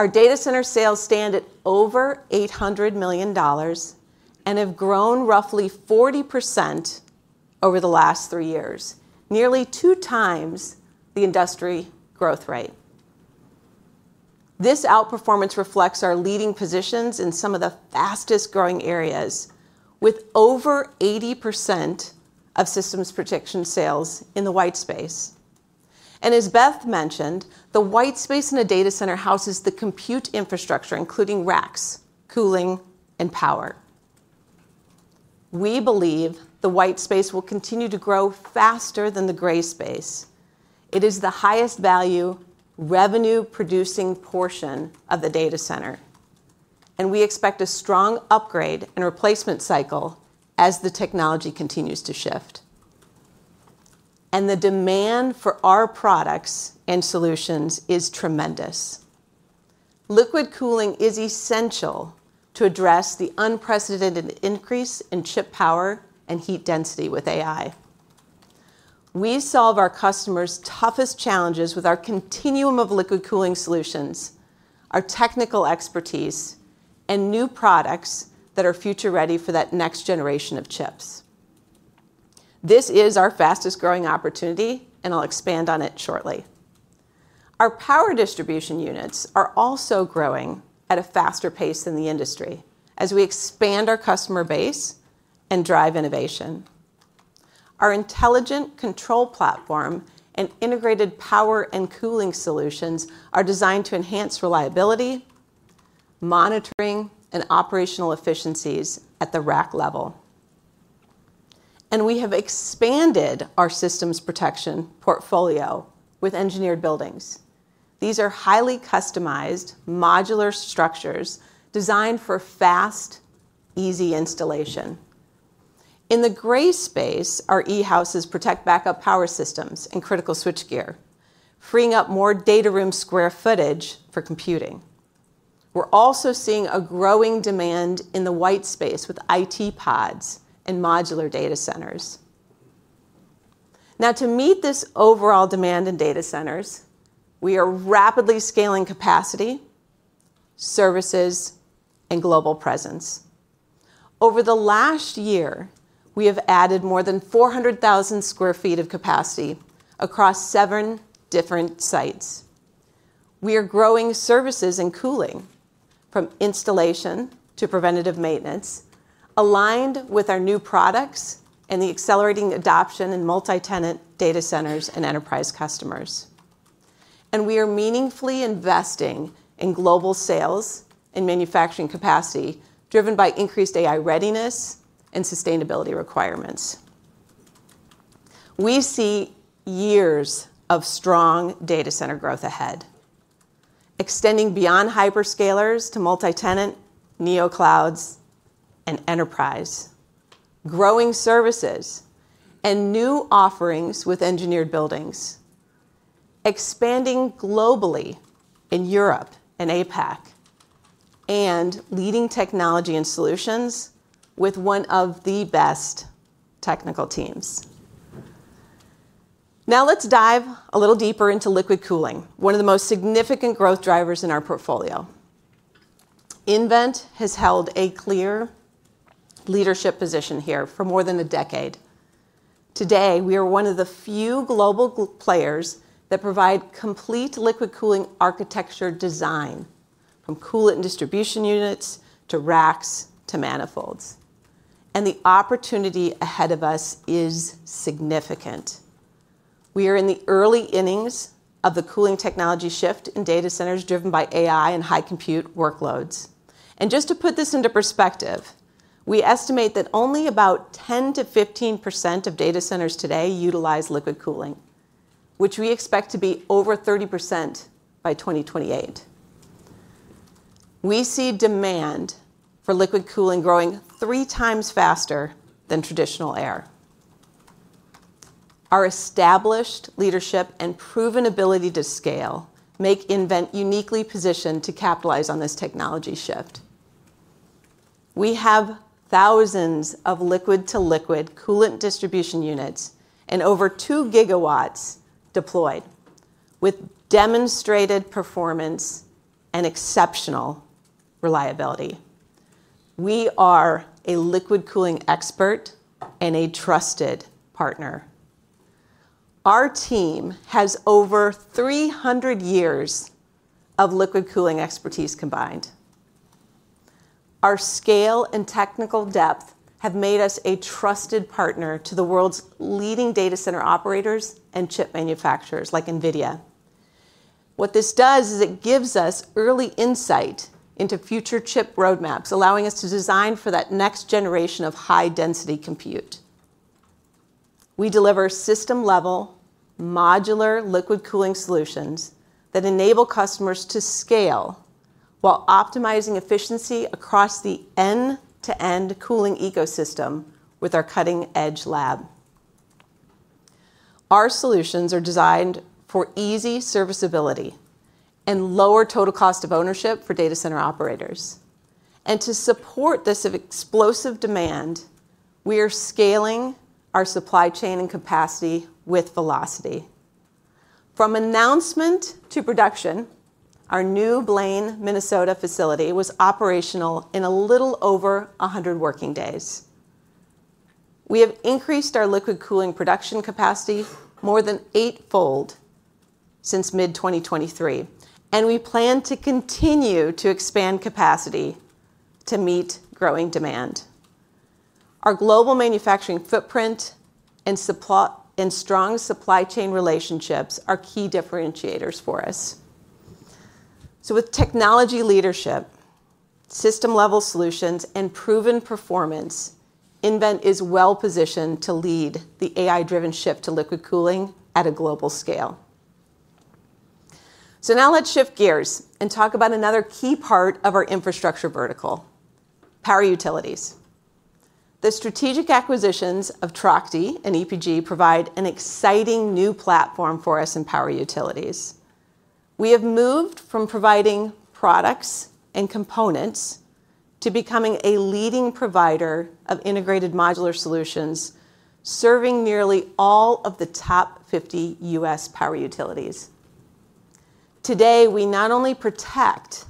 Our data center sales stand at over $800 million and have grown roughly 40% over the last three years, nearly 2x the industry growth rate. This outperformance reflects our leading positions in some of the fastest-growing areas, with over 80% of Systems Protection sales in the white space. As Beth mentioned, the white space in a data center houses the compute infrastructure, including racks, cooling, and power. We believe the white space will continue to grow faster than the gray space. It is the highest value revenue-producing portion of the data center, and we expect a strong upgrade and replacement cycle as the technology continues to shift. The demand for our products and solutions is tremendous. Liquid cooling is essential to address the unprecedented increase in chip power and heat density with AI. We solve our customers' toughest challenges with our continuum of liquid cooling solutions, our technical expertise, and new products that are future-ready for that next generation of chips. This is our fastest-growing opportunity, and I'll expand on it shortly. Our power distribution units are also growing at a faster pace than the industry as we expand our customer base and drive innovation. Our intelligent control platform and integrated power and cooling solutions are designed to enhance reliability, monitoring, and operational efficiencies at the rack level. We have expanded our Systems Protection portfolio with engineered buildings. These are highly customized modular structures designed for fast, easy installation. In the gray space, our e-houses protect backup power systems and critical switchgear, freeing up more data room square footage for computing. We're also seeing a growing demand in the white space with IT pods and modular data centers. Now, to meet this overall demand in data centers, we are rapidly scaling capacity, services, and global presence. Over the last year, we have added more than 400,000 sq ft of capacity across seven different sites. We are growing services and cooling from installation to preventative maintenance, aligned with our new products and the accelerating adoption in multi-tenant data centers and enterprise customers. We are meaningfully investing in global sales and manufacturing capacity driven by increased AI readiness and sustainability requirements. We see years of strong data center growth ahead, extending beyond hyperscalers to multi-tenant, NeoClouds, and enterprise, growing services and new offerings with engineered buildings, expanding globally in Europe and APAC, and leading technology and solutions with one of the best technical teams. Now let's dive a little deeper into liquid cooling, one of the most significant growth drivers in our portfolio. nVent has held a clear leadership position here for more than a decade. Today, we are one of the few global players that provide complete liquid cooling architecture design, from coolant and distribution units to racks to manifolds. The opportunity ahead of us is significant. We are in the early innings of the cooling technology shift in data centers driven by AI and high compute workloads. Just to put this into perspective, we estimate that only about 10%-15% of data centers today utilize liquid cooling, which we expect to be over 30% by 2028. We see demand for liquid cooling growing 3x faster than traditional air. Our established leadership and proven ability to scale make nVent uniquely positioned to capitalize on this technology shift. We have thousands of liquid-to-liquid coolant distribution units and over 2 GW deployed with demonstrated performance and exceptional reliability. We are a liquid cooling expert and a trusted partner. Our team has over 300 years of liquid cooling expertise combined. Our scale and technical depth have made us a trusted partner to the world's leading data center operators and chip manufacturers like NVIDIA. What this does is it gives us early insight into future chip roadmaps, allowing us to design for that next generation of high density compute. We deliver system level modular liquid cooling solutions that enable customers to scale while optimizing efficiency across the end-to-end cooling ecosystem with our cutting-edge lab. Our solutions are designed for easy serviceability and lower total cost of ownership for data center operators. To support this explosive demand, we are scaling our supply chain and capacity with velocity. From announcement to production, our new Blaine, Minnesota facility was operational in a little over 100 working days. We have increased our liquid cooling production capacity more than eight-fold since mid-2023, and we plan to continue to expand capacity to meet growing demand. Our global manufacturing footprint and strong supply chain relationships are key differentiators for us. With technology leadership, system-level solutions, and proven performance, nVent is well-positioned to lead the AI-driven shift to liquid cooling at a global scale. Now let's shift gears and talk about another key part of our infrastructure vertical: power utilities. The strategic acquisitions of Trachte and EPG provide an exciting new platform for us in power utilities. We have moved from providing products and components to becoming a leading provider of integrated modular solutions, serving nearly all of the top 50 U.S. power utilities. Today, we not only protect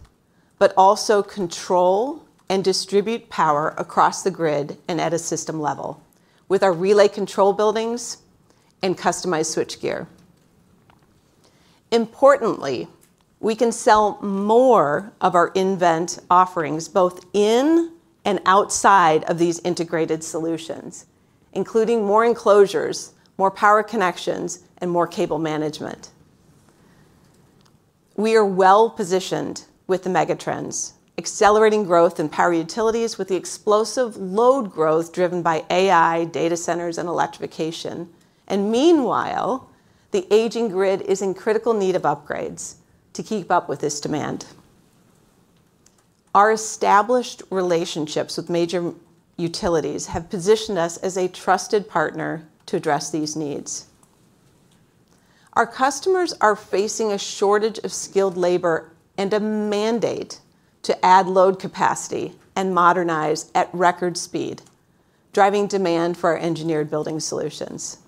but also control and distribute power across the grid and at a system level with our relay control buildings and customized switchgear. Importantly, we can sell more of our nVent offerings both in and outside of these integrated solutions, including more enclosures, more power connections, and more cable management. We are well-positioned with the megatrends, accelerating growth in power utilities with the explosive load growth driven by AI, data centers and electrification. Meanwhile, the aging grid is in critical need of upgrades to keep up with this demand. Our established relationships with major utilities have positioned us as a trusted partner to address these needs. Our customers are facing a shortage of skilled labor and a mandate to add load capacity and modernize at record speed, driving demand for our engineered building solutions.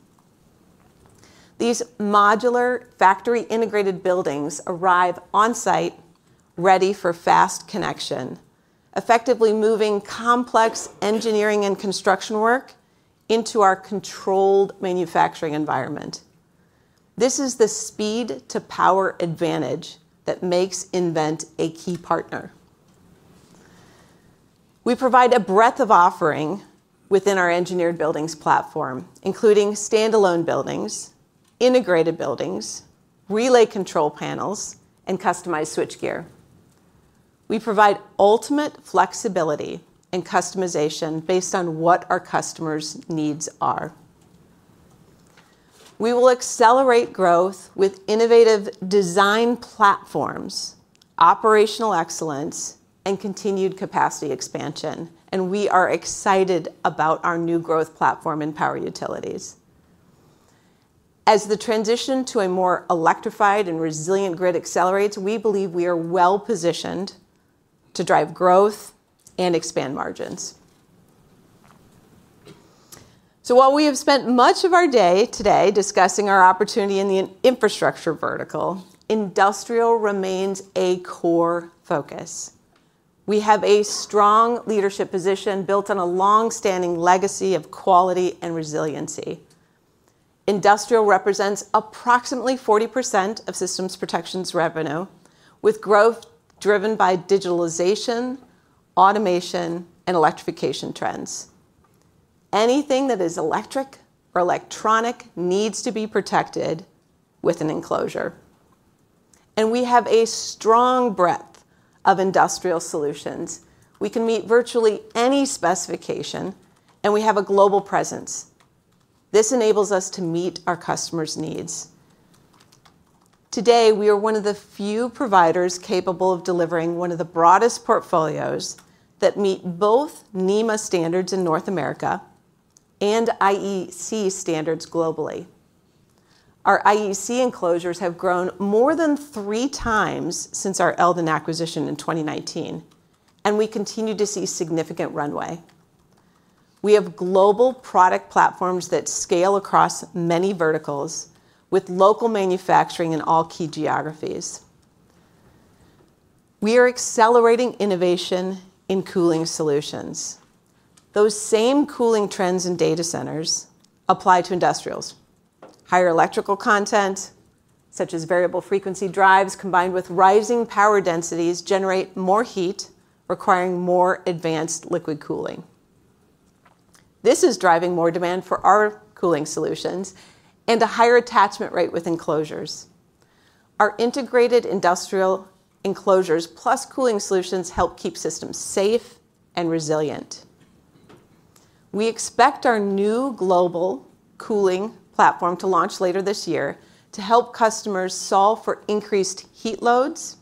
These modular factory-integrated buildings arrive on-site ready for fast connection, effectively moving complex engineering and construction work into our controlled manufacturing environment. This is the speed-to-power advantage that makes nVent a key partner. We provide a breadth of offering within our engineered buildings platform, including standalone buildings, integrated buildings, relay control panels, and customized switchgear. We provide ultimate flexibility and customization based on what our customer's needs are. We will accelerate growth with innovative design platforms, operational excellence, and continued capacity expansion, and we are excited about our new growth platform in power utilities. As the transition to a more electrified and resilient grid accelerates, we believe we are well-positioned to drive growth and expand margins. While we have spent much of our day today discussing our opportunity in the infrastructure vertical, industrial remains a core focus. We have a strong leadership position built on a long-standing legacy of quality and resiliency. Industrial represents approximately 40% of Systems Protection's revenue, with growth driven by digitalization, automation, and electrification trends. Anything that is electric or electronic needs to be protected with an enclosure. We have a strong breadth of industrial solutions. We can meet virtually any specification, and we have a global presence. This enables us to meet our customers' needs. Today, we are one of the few providers capable of delivering one of the broadest portfolios that meet both NEMA standards in North America and IEC standards globally. Our IEC enclosures have grown more than three times since our Eldon acquisition in 2019, and we continue to see significant runway. We have global product platforms that scale across many verticals with local manufacturing in all key geographies. We are accelerating innovation in cooling solutions. Those same cooling trends in data centers apply to industrials. Higher electrical content, such as variable frequency drives, combined with rising power densities, generate more heat, requiring more advanced liquid cooling. This is driving more demand for our cooling solutions and a higher attachment rate with enclosures. Our integrated industrial enclosures plus cooling solutions help keep systems safe and resilient. We expect our new global cooling platform to launch later this year to help customers solve for increased heat loads,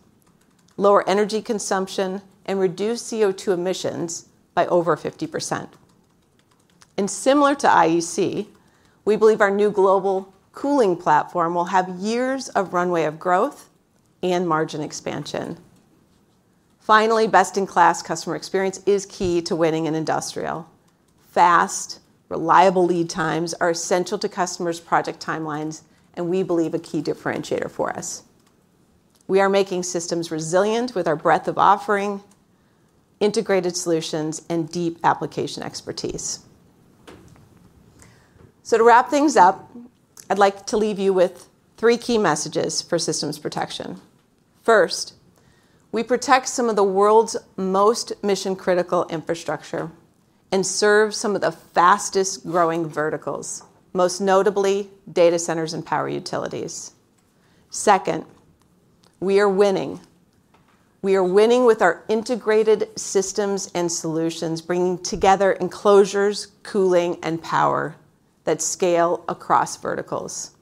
lower energy consumption, and reduce CO2 emissions by over 50%. Similar to IEC, we believe our new global cooling platform will have years of runway of growth and margin expansion. Finally, best-in-class customer experience is key to winning in industrial. Fast, reliable lead times are essential to customers' project timelines, and we believe a key differentiator for us. We are making systems resilient with our breadth of offering, integrated solutions, and deep application expertise. To wrap things up, I'd like to leave you with three key messages for Systems Protection. First, we protect some of the world's most mission-critical infrastructure and serve some of the fastest-growing verticals, most notably data centers and power utilities. Second, we are winning. We are winning with our integrated systems and solutions, bringing together enclosures, cooling, and power that scale across verticals.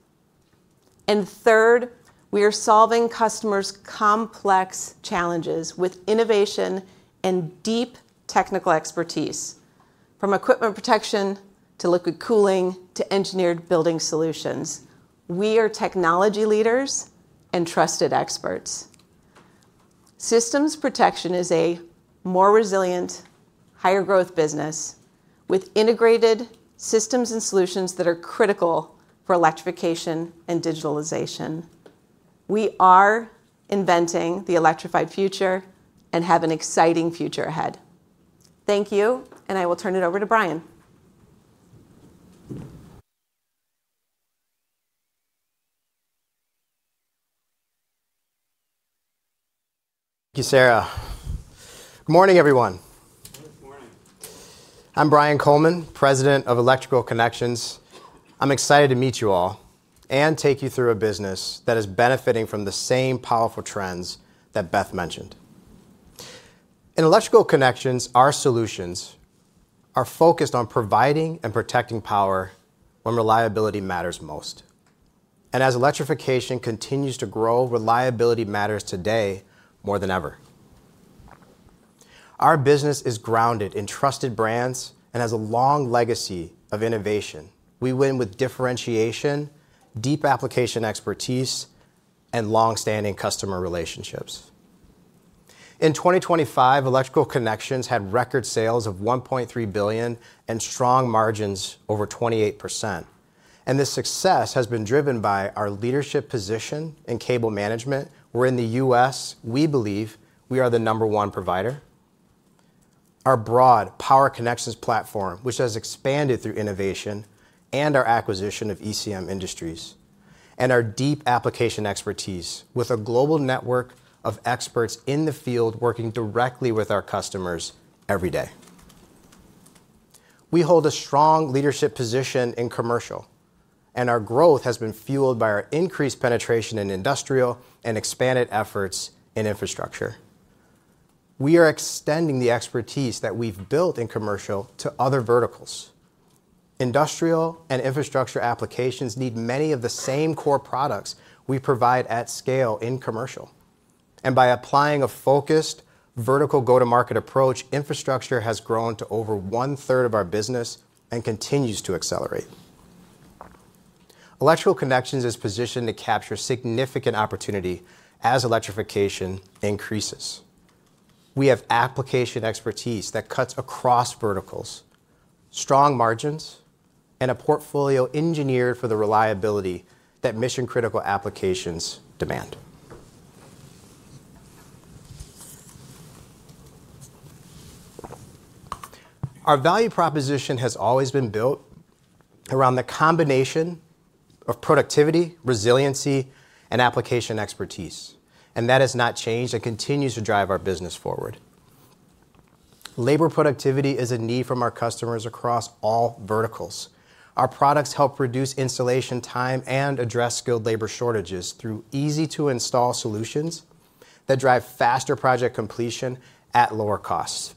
Third, we are solving customers' complex challenges with innovation and deep technical expertise. From equipment protection, to liquid cooling, to engineered building solutions, we are technology leaders and trusted experts. Systems Protection is a more resilient, higher growth business with integrated systems and solutions that are critical for electrification and digitalization. We are inventing the electrified future and have an exciting future ahead. Thank you, and I will turn it over to Brian. Thank you, Sara. Good morning, everyone. Good morning. I'm Brian Coleman, President of Electrical Connections. I'm excited to meet you all and take you through a business that is benefiting from the same powerful trends that Beth mentioned. In Electrical Connections, our solutions are focused on providing and protecting power when reliability matters most. As electrification continues to grow, reliability matters today more than ever. Our business is grounded in trusted brands and has a long legacy of innovation. We win with differentiation, deep application expertise, and long-standing customer relationships. In 2025, Electrical Connections had record sales of $1.3 billion and strong margins over 28%. This success has been driven by our leadership position in cable management, where in the U.S., we believe we are the number one provider. Our broad power connections platform, which has expanded through innovation and our acquisition of ECM Industries, and our deep application expertise with a global network of experts in the field working directly with our customers every day. We hold a strong leadership position in commercial, and our growth has been fueled by our increased penetration in industrial and expanded efforts in infrastructure. We are extending the expertise that we've built in commercial to other verticals. Industrial and infrastructure applications need many of the same core products we provide at scale in commercial. By applying a focused vertical go-to-market approach, infrastructure has grown to over one-third of our business and continues to accelerate. Electrical Connections is positioned to capture significant opportunity as electrification increases. We have application expertise that cuts across verticals, strong margins, and a portfolio engineered for the reliability that mission-critical applications demand. Our value proposition has always been built around the combination of productivity, resiliency, and application expertise, and that has not changed and continues to drive our business forward. Labor productivity is a need from our customers across all verticals. Our products help reduce installation time and address skilled labor shortages through easy-to-install solutions that drive faster project completion at lower costs.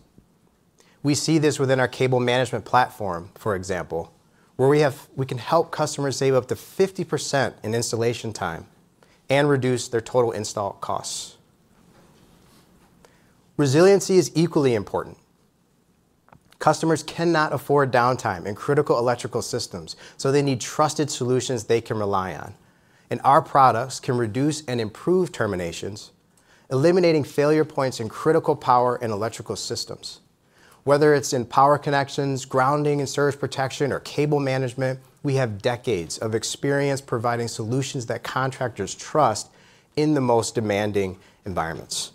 We see this within our cable management platform, for example, where we can help customers save up to 50% in installation time and reduce their total install costs. Resiliency is equally important. Customers cannot afford downtime in critical electrical systems, so they need trusted solutions they can rely on, and our products can reduce and improve terminations, eliminating failure points in critical power and electrical systems. Whether it's in power connections, grounding and surge protection, or cable management, we have decades of experience providing solutions that contractors trust in the most demanding environments.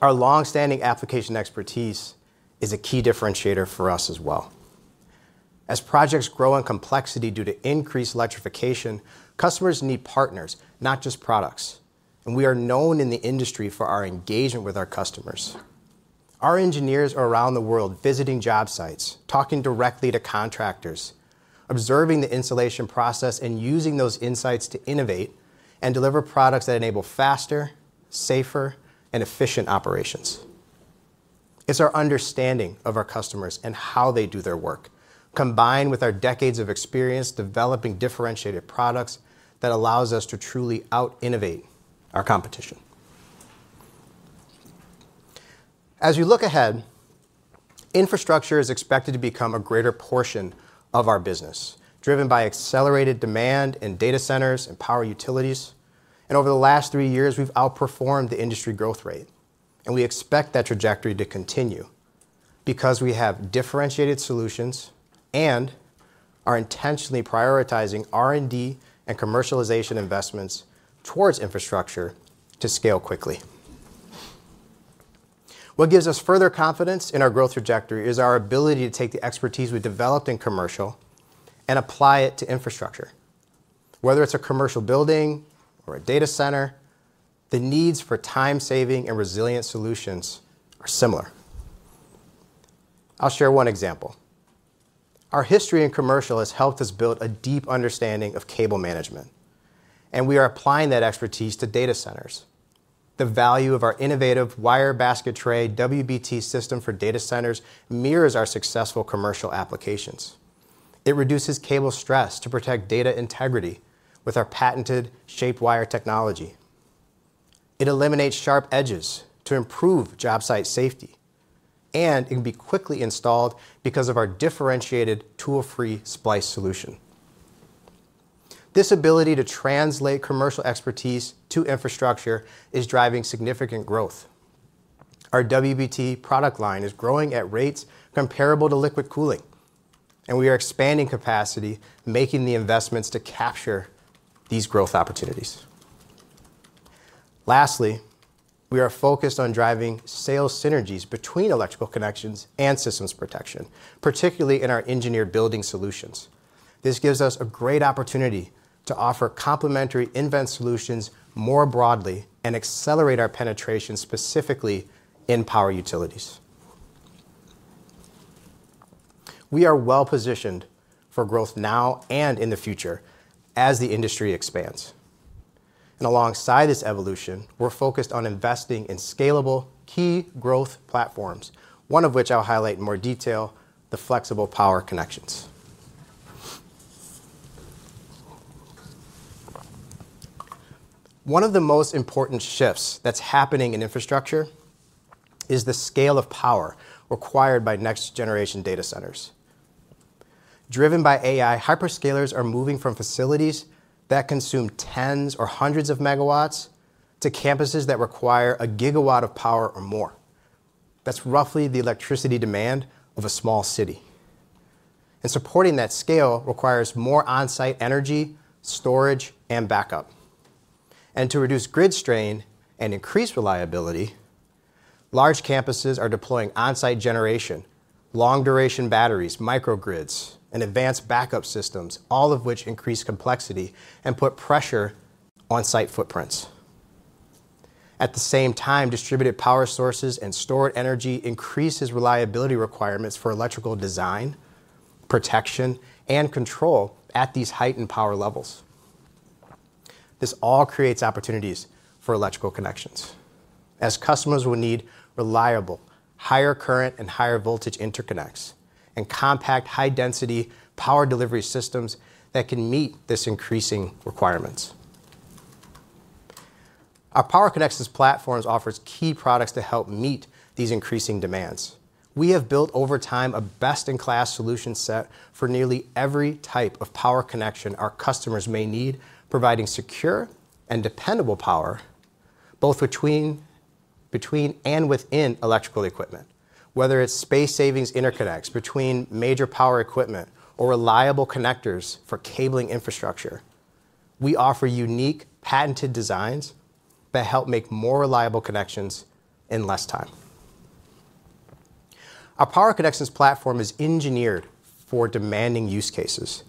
Our long-standing application expertise is a key differentiator for us as well. As projects grow in complexity due to increased electrification, customers need partners, not just products, and we are known in the industry for our engagement with our customers. Our engineers are around the world visiting job sites, talking directly to contractors, observing the installation process, and using those insights to innovate and deliver products that enable faster, safer, and efficient operations. It's our understanding of our customers and how they do their work, combined with our decades of experience developing differentiated products, that allows us to truly out-innovate our competition. As we look ahead, infrastructure is expected to become a greater portion of our business, driven by accelerated demand in data centers and power utilities. Over the last three years, we've outperformed the industry growth rate, and we expect that trajectory to continue because we have differentiated solutions and are intentionally prioritizing R&D and commercialization investments towards infrastructure to scale quickly. What gives us further confidence in our growth trajectory is our ability to take the expertise we've developed in commercial and apply it to infrastructure. Whether it's a commercial building or a data center, the needs for time-saving and resilient solutions are similar. I'll share one example. Our history in commercial has helped us build a deep understanding of cable management, and we are applying that expertise to data centers. The value of our innovative Wire Basket Tray, WBT, system for data centers mirrors our successful commercial applications. It reduces cable stress to protect data integrity with our patented shape wire technology. It eliminates sharp edges to improve job site safety, and it can be quickly installed because of our differentiated tool-free splice solution. This ability to translate commercial expertise to infrastructure is driving significant growth. Our WBT product line is growing at rates comparable to liquid cooling, and we are expanding capacity, making the investments to capture these growth opportunities. Lastly, we are focused on driving sales synergies between Electrical Connections and Systems Protection, particularly in our engineered building solutions. This gives us a great opportunity to offer complementary nVent solutions more broadly and accelerate our penetration, specifically in power utilities. We are well-positioned for growth now and in the future as the industry expands. Alongside this evolution, we're focused on investing in scalable key growth platforms, one of which I'll highlight in more detail, the flexible power connections. One of the most important shifts that's happening in infrastructure is the scale of power required by next-generation data centers. Driven by AI, hyperscalers are moving from facilities that consume tens or hundreds of megawatts to campuses that require a gigawatt of power or more. That's roughly the electricity demand of a small city. Supporting that scale requires more on-site energy, storage, and backup. To reduce grid strain and increase reliability, large campuses are deploying on-site generation, long-duration batteries, microgrids, and advanced backup systems, all of which increase complexity and put pressure on site footprints. At the same time, distributed power sources and stored energy increases reliability requirements for electrical design, protection, and control at these heightened power levels. This all creates opportunities for Electrical Connections, as customers will need reliable, higher current, and higher voltage interconnects and compact, high-density power delivery systems that can meet these increasing requirements. Our Power Connections platforms offers key products to help meet these increasing demands. We have built over time a best-in-class solution set for nearly every type of power connection our customers may need, providing secure and dependable power both between and within electrical equipment. Whether it's space savings interconnects between major power equipment or reliable connectors for cabling infrastructure, we offer unique patented designs that help make more reliable connections in less time. Our Power Connections platform is engineered for demanding use cases,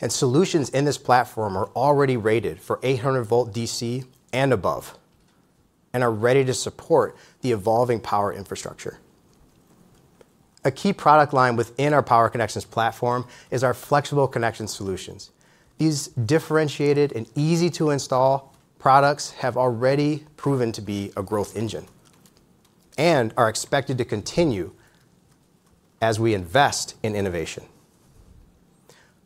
and solutions in this platform are already rated for 800 V DC and above and are ready to support the evolving power infrastructure. A key product line within our Power Connections platform is our flexible connection solutions. These differentiated and easy-to-install products have already proven to be a growth engine and are expected to continue as we invest in innovation.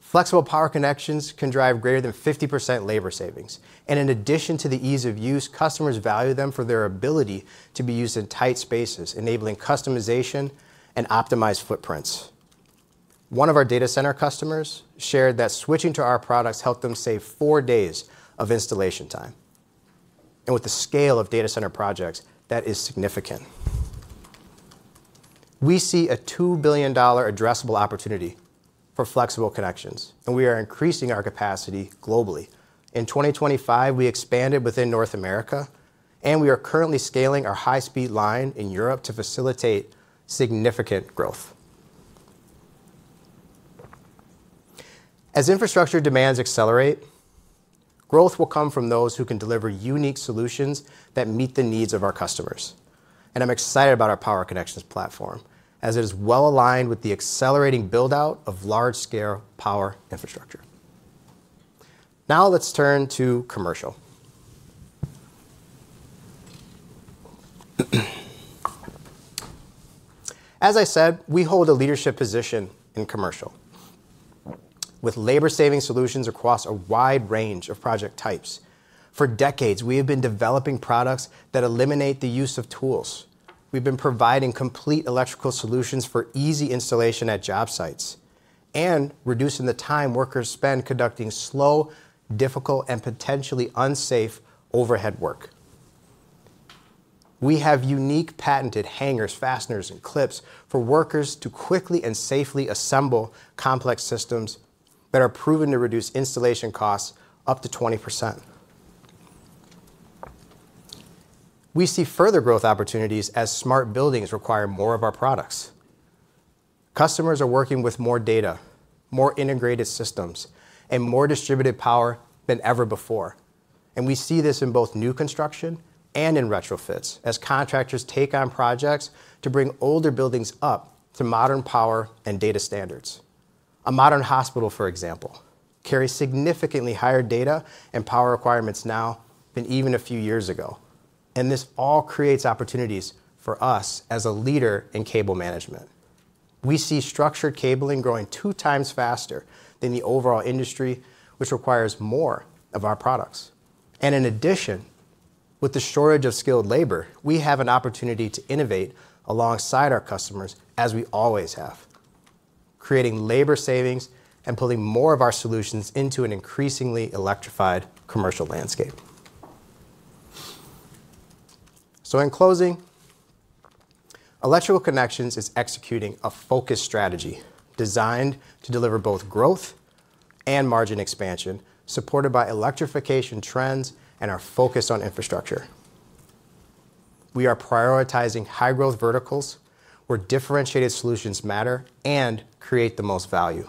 Flexible power connections can drive greater than 50% labor savings, and in addition to the ease of use, customers value them for their ability to be used in tight spaces, enabling customization and optimized footprints. One of our data center customers shared that switching to our products helped them save four days of installation time, and with the scale of data center projects, that is significant. We see a $2 billion addressable opportunity for flexible connections, and we are increasing our capacity globally. In 2025, we expanded within North America, and we are currently scaling our high-speed line in Europe to facilitate significant growth. As infrastructure demands accelerate, growth will come from those who can deliver unique solutions that meet the needs of our customers. I'm excited about our Power Connections platform, as it is well-aligned with the accelerating build-out of large-scale power infrastructure. Now let's turn to commercial. As I said, we hold a leadership position in commercial with labor-saving solutions across a wide range of project types. For decades, we have been developing products that eliminate the use of tools. We've been providing complete electrical solutions for easy installation at job sites and reducing the time workers spend conducting slow, difficult, and potentially unsafe overhead work. We have unique patented hangers, fasteners, and clips for workers to quickly and safely assemble complex systems that are proven to reduce installation costs up to 20%. We see further growth opportunities as smart buildings require more of our products. Customers are working with more data, more integrated systems, and more distributed power than ever before, and we see this in both new construction and in retrofits as contractors take on projects to bring older buildings up to modern power and data standards. A modern hospital, for example, carries significantly higher data and power requirements now than even a few years ago, and this all creates opportunities for us as a leader in cable management. We see structured cabling growing 2x faster than the overall industry, which requires more of our products. In addition, with the shortage of skilled labor, we have an opportunity to innovate alongside our customers as we always have, creating labor savings and pulling more of our solutions into an increasingly electrified commercial landscape. In closing, Electrical Connections is executing a focused strategy designed to deliver both growth and margin expansion, supported by electrification trends and our focus on infrastructure. We are prioritizing high-growth verticals where differentiated solutions matter and create the most value.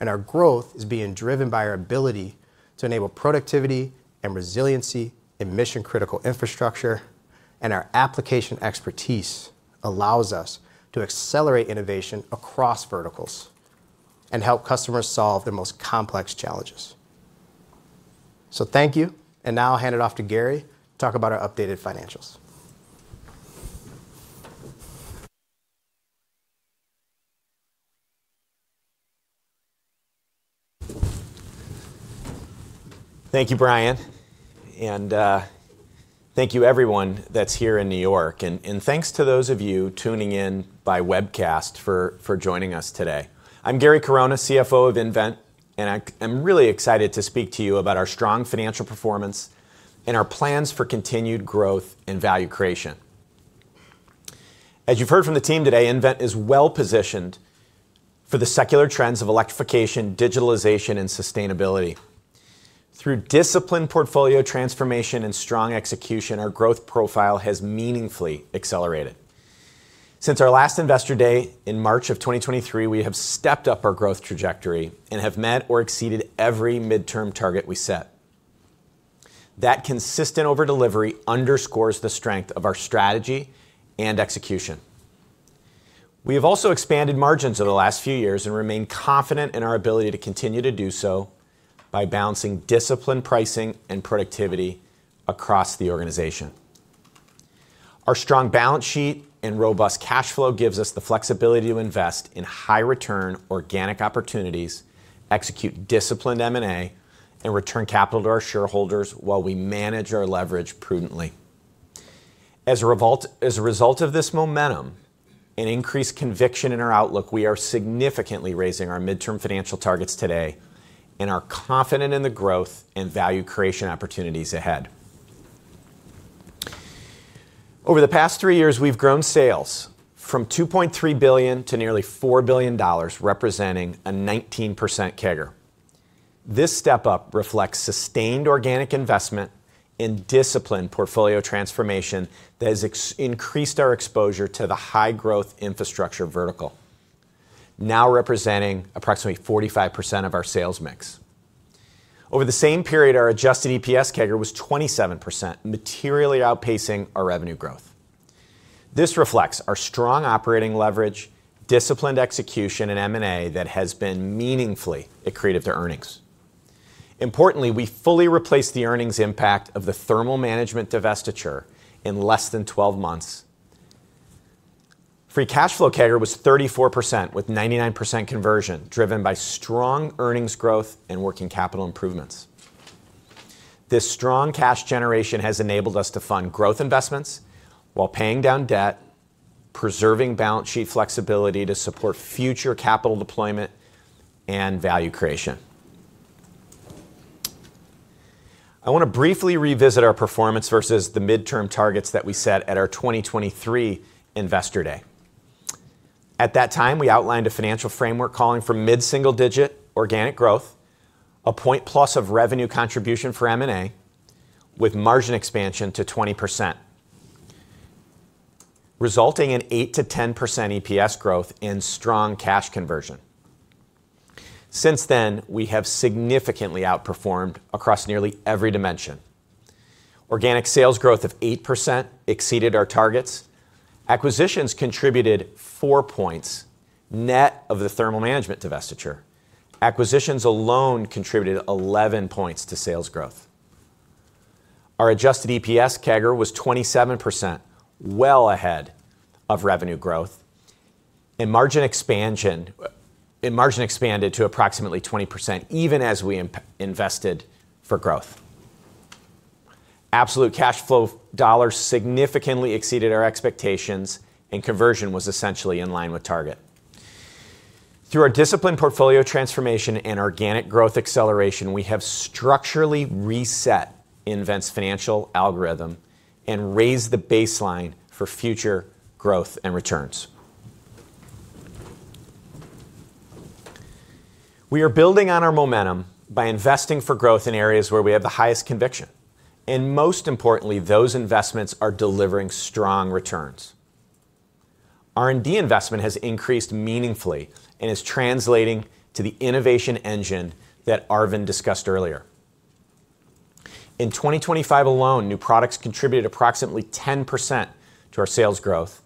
Our growth is being driven by our ability to enable productivity and resiliency in mission-critical infrastructure, and our application expertise allows us to accelerate innovation across verticals and help customers solve their most complex challenges. Thank you, and now I'll hand it off to Gary to talk about our updated financials. Thank you, Brian. Thank you everyone that's here in New York, and thanks to those of you tuning in by webcast for joining us today. I'm Gary Corona, CFO of nVent, and I'm really excited to speak to you about our strong financial performance and our plans for continued growth and value creation. As you've heard from the team today, nVent is well-positioned for the secular trends of electrification, digitalization, and sustainability. Through disciplined portfolio transformation and strong execution, our growth profile has meaningfully accelerated. Since our last Investor Day in March of 2023, we have stepped up our growth trajectory and have met or exceeded every midterm target we set. That consistent over delivery underscores the strength of our strategy and execution. We have also expanded margins over the last few years and remain confident in our ability to continue to do so by balancing disciplined pricing and productivity across the organization. Our strong balance sheet and robust cash flow gives us the flexibility to invest in high-return organic opportunities, execute disciplined M&A, and return capital to our shareholders while we manage our leverage prudently. As a result of this momentum and increased conviction in our outlook, we are significantly raising our midterm financial targets today and are confident in the growth and value creation opportunities ahead. Over the past three years, we've grown sales from $2.3 billion to nearly $4 billion, representing a 19% CAGR. This step-up reflects sustained organic investment and disciplined portfolio transformation that has increased our exposure to the high-growth infrastructure vertical, now representing approximately 45% of our sales mix. Over the same period, our adjusted EPS CAGR was 27%, materially outpacing our revenue growth. This reflects our strong operating leverage, disciplined execution in M&A that has been meaningfully accretive to earnings. Importantly, we fully replaced the earnings impact of the thermal management divestiture in less than 12 months. Free cash flow CAGR was 34% with 99% conversion, driven by strong earnings growth and working capital improvements. This strong cash generation has enabled us to fund growth investments while paying down debt, preserving balance sheet flexibility to support future capital deployment and value creation. I want to briefly revisit our performance versus the midterm targets that we set at our 2023 Investor Day. At that time, we outlined a financial framework calling for mid-single-digit organic growth, one point plus of revenue contribution for M&A with margin expansion to 20%, resulting in 8%-10% EPS growth and strong cash conversion. Since then, we have significantly outperformed across nearly every dimension. Organic sales growth of 8% exceeded our targets. Acquisitions contributed four points net of the thermal management divestiture. Acquisitions alone contributed 11 points to sales growth. Our adjusted EPS CAGR was 27%, well ahead of revenue growth, and margin expanded to approximately 20% even as we invested for growth. Absolute cash flow dollars significantly exceeded our expectations, and conversion was essentially in line with target. Through our disciplined portfolio transformation and organic growth acceleration, we have structurally reset nVent's financial algorithm and raised the baseline for future growth and returns. We are building on our momentum by investing for growth in areas where we have the highest conviction, and most importantly, those investments are delivering strong returns. R&D investment has increased meaningfully and is translating to the innovation engine that Aravind discussed earlier. In 2025 alone, new products contributed approximately 10% to our sales growth,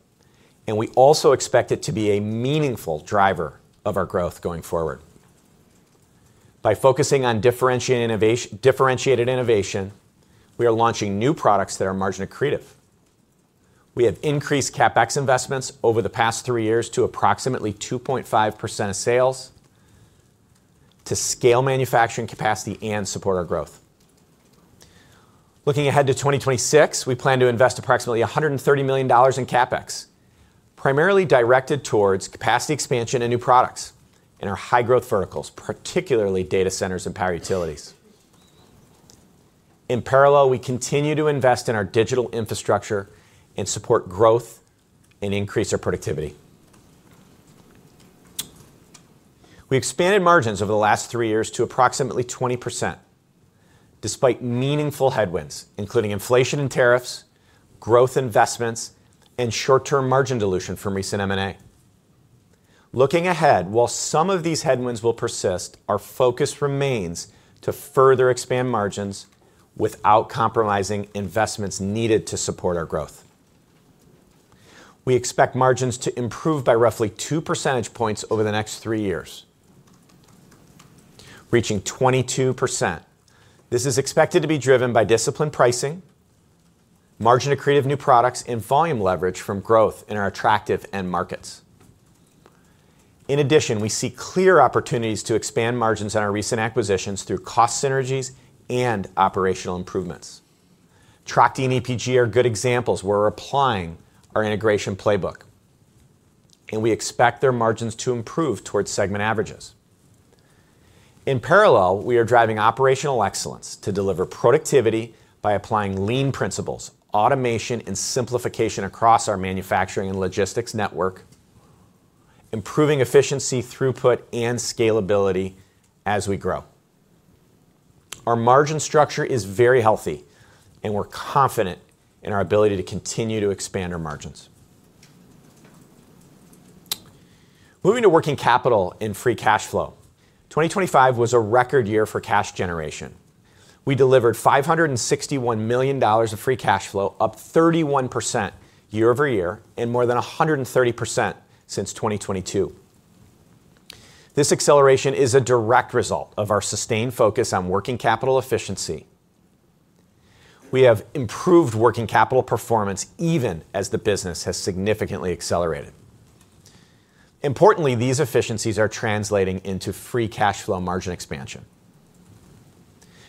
and we also expect it to be a meaningful driver of our growth going forward. By focusing on differentiated innovation, we are launching new products that are margin accretive. We have increased CapEx investments over the past three years to approximately 2.5% of sales to scale manufacturing capacity and support our growth. Looking ahead to 2026, we plan to invest approximately $130 million in CapEx, primarily directed towards capacity expansion and new products in our high-growth verticals, particularly data centers and power utilities. In parallel, we continue to invest in our digital infrastructure and support growth and increase our productivity. We expanded margins over the last three years to approximately 20% despite meaningful headwinds, including inflation and tariffs, growth investments, and short-term margin dilution from recent M&A. Looking ahead, while some of these headwinds will persist, our focus remains to further expand margins without compromising investments needed to support our growth. We expect margins to improve by roughly 2 percentage points over the next three years, reaching 22%. This is expected to be driven by disciplined pricing, margin accretive new products, and volume leverage from growth in our attractive end markets. In addition, we see clear opportunities to expand margins on our recent acquisitions through cost synergies and operational improvements. Trachte and EPG are good examples where we're applying our integration playbook, and we expect their margins to improve towards segment averages. In parallel, we are driving operational excellence to deliver productivity by applying lean principles, automation, and simplification across our manufacturing and logistics network, improving efficiency, throughput, and scalability as we grow. Our margin structure is very healthy, and we're confident in our ability to continue to expand our margins. Moving to working capital and free cash flow, 2025 was a record year for cash generation. We delivered $561 million of free cash flow, up 31% year-over-year and more than 130% since 2022. This acceleration is a direct result of our sustained focus on working capital efficiency. We have improved working capital performance even as the business has significantly accelerated. Importantly, these efficiencies are translating into free cash flow margin expansion.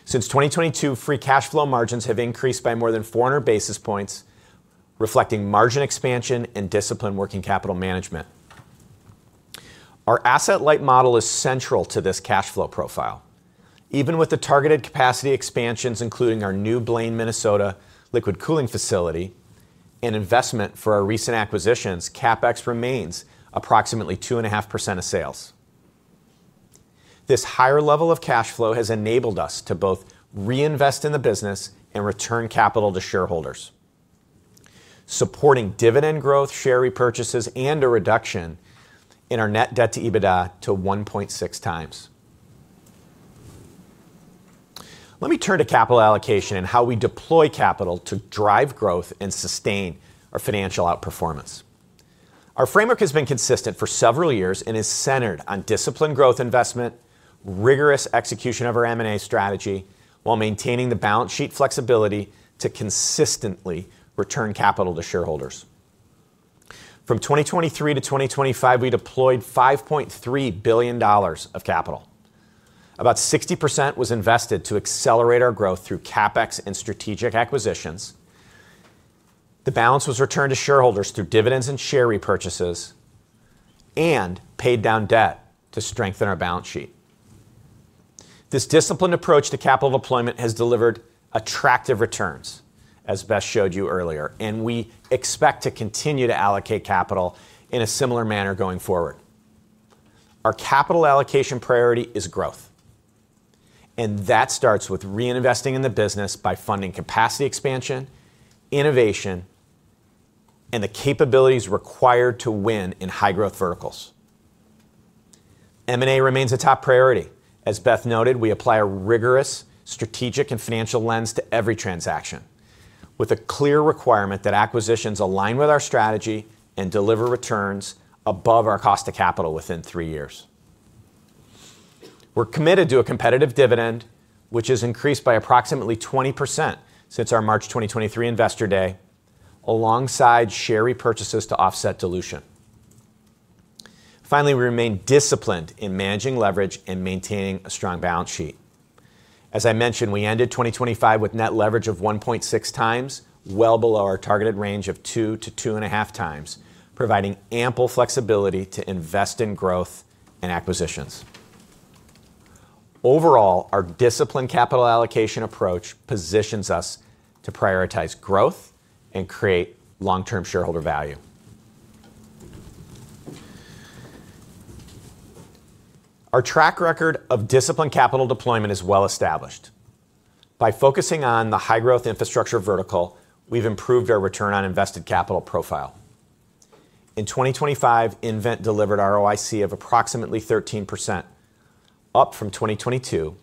Since 2022, free cash flow margins have increased by more than 400 basis points, reflecting margin expansion and disciplined working capital management. Our asset-light model is central to this cash flow profile. Even with the targeted capacity expansions, including our new Blaine, Minnesota liquid cooling facility and investment for our recent acquisitions, CapEx remains approximately 2.5% of sales. This higher level of cash flow has enabled us to both reinvest in the business and return capital to shareholders. Supporting dividend growth, share repurchases, and a reduction in our net debt to EBITDA to 1.6x. Let me turn to capital allocation and how we deploy capital to drive growth and sustain our financial outperformance. Our framework has been consistent for several years and is centered on disciplined growth investment, rigorous execution of our M&A strategy, while maintaining the balance sheet flexibility to consistently return capital to shareholders. From 2023 to 2025, we deployed $5.3 billion of capital. About 60% was invested to accelerate our growth through CapEx and strategic acquisitions. The balance was returned to shareholders through dividends and share repurchases and paid down debt to strengthen our balance sheet. This disciplined approach to capital deployment has delivered attractive returns, as Beth showed you earlier, and we expect to continue to allocate capital in a similar manner going forward. Our capital allocation priority is growth, and that starts with reinvesting in the business by funding capacity expansion, innovation, and the capabilities required to win in high growth verticals. M&A remains a top priority. As Beth noted, we apply a rigorous strategic and financial lens to every transaction with a clear requirement that acquisitions align with our strategy and deliver returns above our cost of capital within three years. We're committed to a competitive dividend, which has increased by approximately 20% since our March 2023 investor day, alongside share repurchases to offset dilution. Finally, we remain disciplined in managing leverage and maintaining a strong balance sheet. As I mentioned, we ended 2025 with net leverage of 1.6x, well below our targeted range of 2x-2.5x, providing ample flexibility to invest in growth and acquisitions. Overall, our disciplined capital allocation approach positions us to prioritize growth and create long-term shareholder value. Our track record of disciplined capital deployment is well-established. By focusing on the high-growth infrastructure vertical, we've improved our return on invested capital profile. In 2025, nVent delivered ROIC of approximately 13%, up from 2022,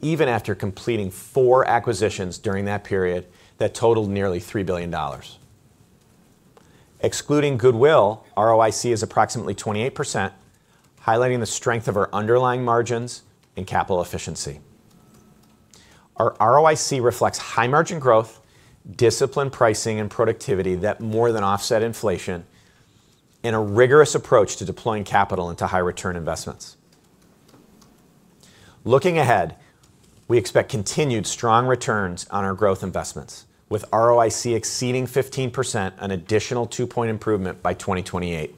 even after completing four acquisitions during that period that totaled nearly $3 billion. Excluding goodwill, ROIC is approximately 28%, highlighting the strength of our underlying margins and capital efficiency. Our ROIC reflects high-margin growth, disciplined pricing, and productivity that more than offset inflation in a rigorous approach to deploying capital into high-return investments. Looking ahead, we expect continued strong returns on our growth investments, with ROIC exceeding 15%, an additional two-point improvement by 2028.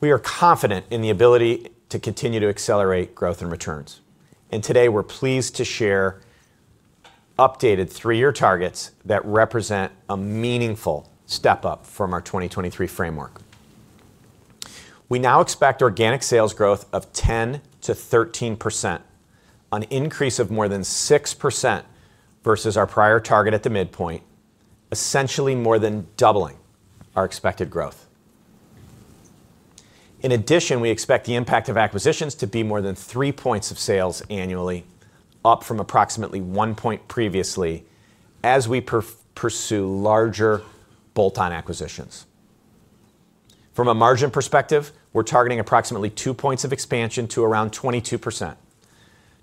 We are confident in the ability to continue to accelerate growth and returns, and today we're pleased to share updated three-year targets that represent a meaningful step-up from our 2023 framework. We now expect organic sales growth of 10%-13%, an increase of more than 6% versus our prior target at the midpoint, essentially more than doubling our expected growth. In addition, we expect the impact of acquisitions to be more than three points of sales annually, up from approximately one point previously, as we pursue larger bolt-on acquisitions. From a margin perspective, we're targeting approximately two points of expansion to around 22%,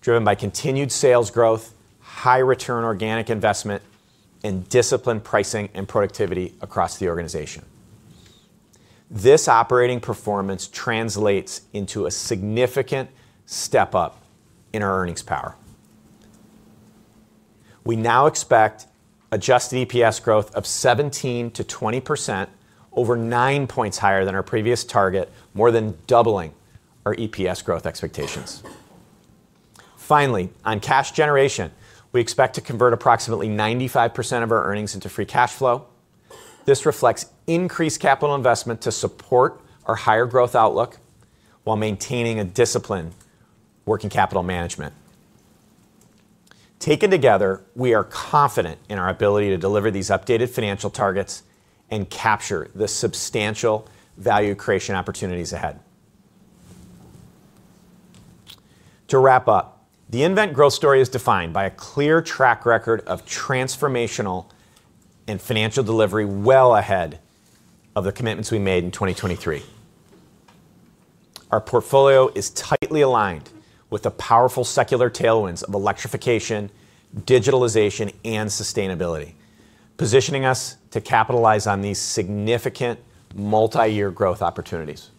driven by continued sales growth, high-return organic investment, and disciplined pricing and productivity across the organization. This operating performance translates into a significant step up in our earnings power. We now expect adjusted EPS growth of 17%-20% over nine points higher than our previous target, more than doubling our EPS growth expectations. Finally, on cash generation, we expect to convert approximately 95% of our earnings into free cash flow. This reflects increased capital investment to support our higher growth outlook while maintaining a disciplined working capital management. Taken together, we are confident in our ability to deliver these updated financial targets and capture the substantial value creation opportunities ahead. To wrap up, the nVent growth story is defined by a clear track record of transformational and financial delivery well ahead of the commitments we made in 2023. Our portfolio is tightly aligned with the powerful secular tailwinds of electrification, digitalization, and sustainability, positioning us to capitalize on these significant multi-year growth opportunities.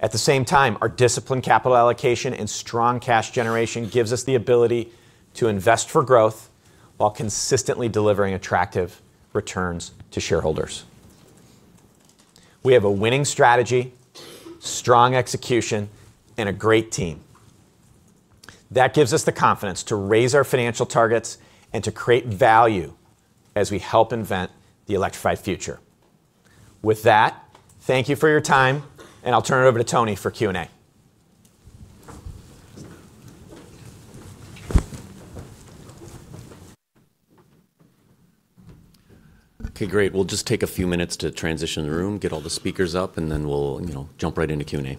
At the same time, our disciplined capital allocation and strong cash generation gives us the ability to invest for growth while consistently delivering attractive returns to shareholders. We have a winning strategy, strong execution, and a great team. That gives us the confidence to raise our financial targets and to create value as we help invent the electrified future. With that, thank you for your time, and I'll turn it over to Tony for Q&A. Okay, great. We'll just take a few minutes to transition the room, get all the speakers up, and then we'll, you know, jump right into Q&A.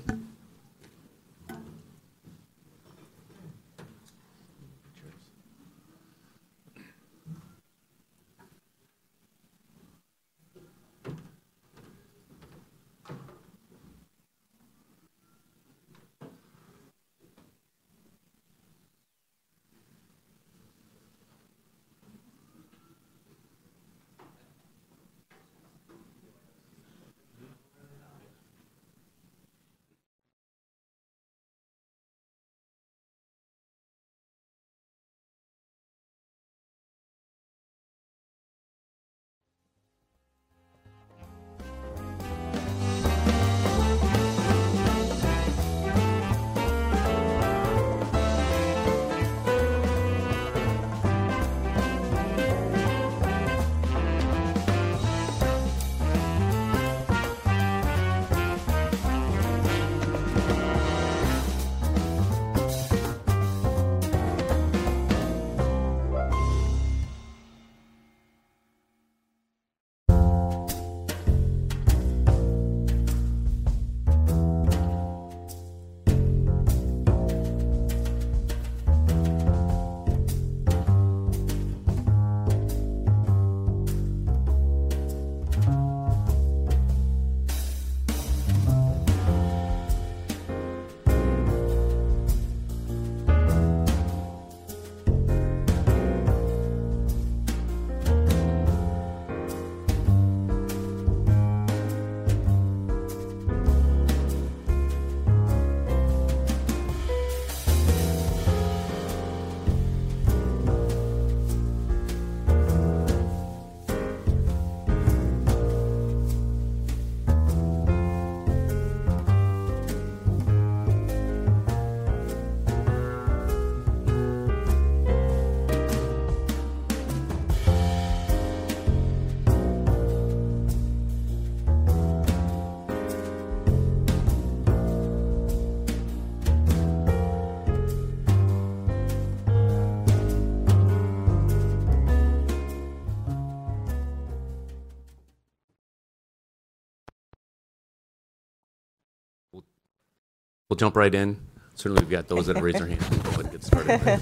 We'll jump right in. Certainly we've got those that have raised their hand. Let's get started.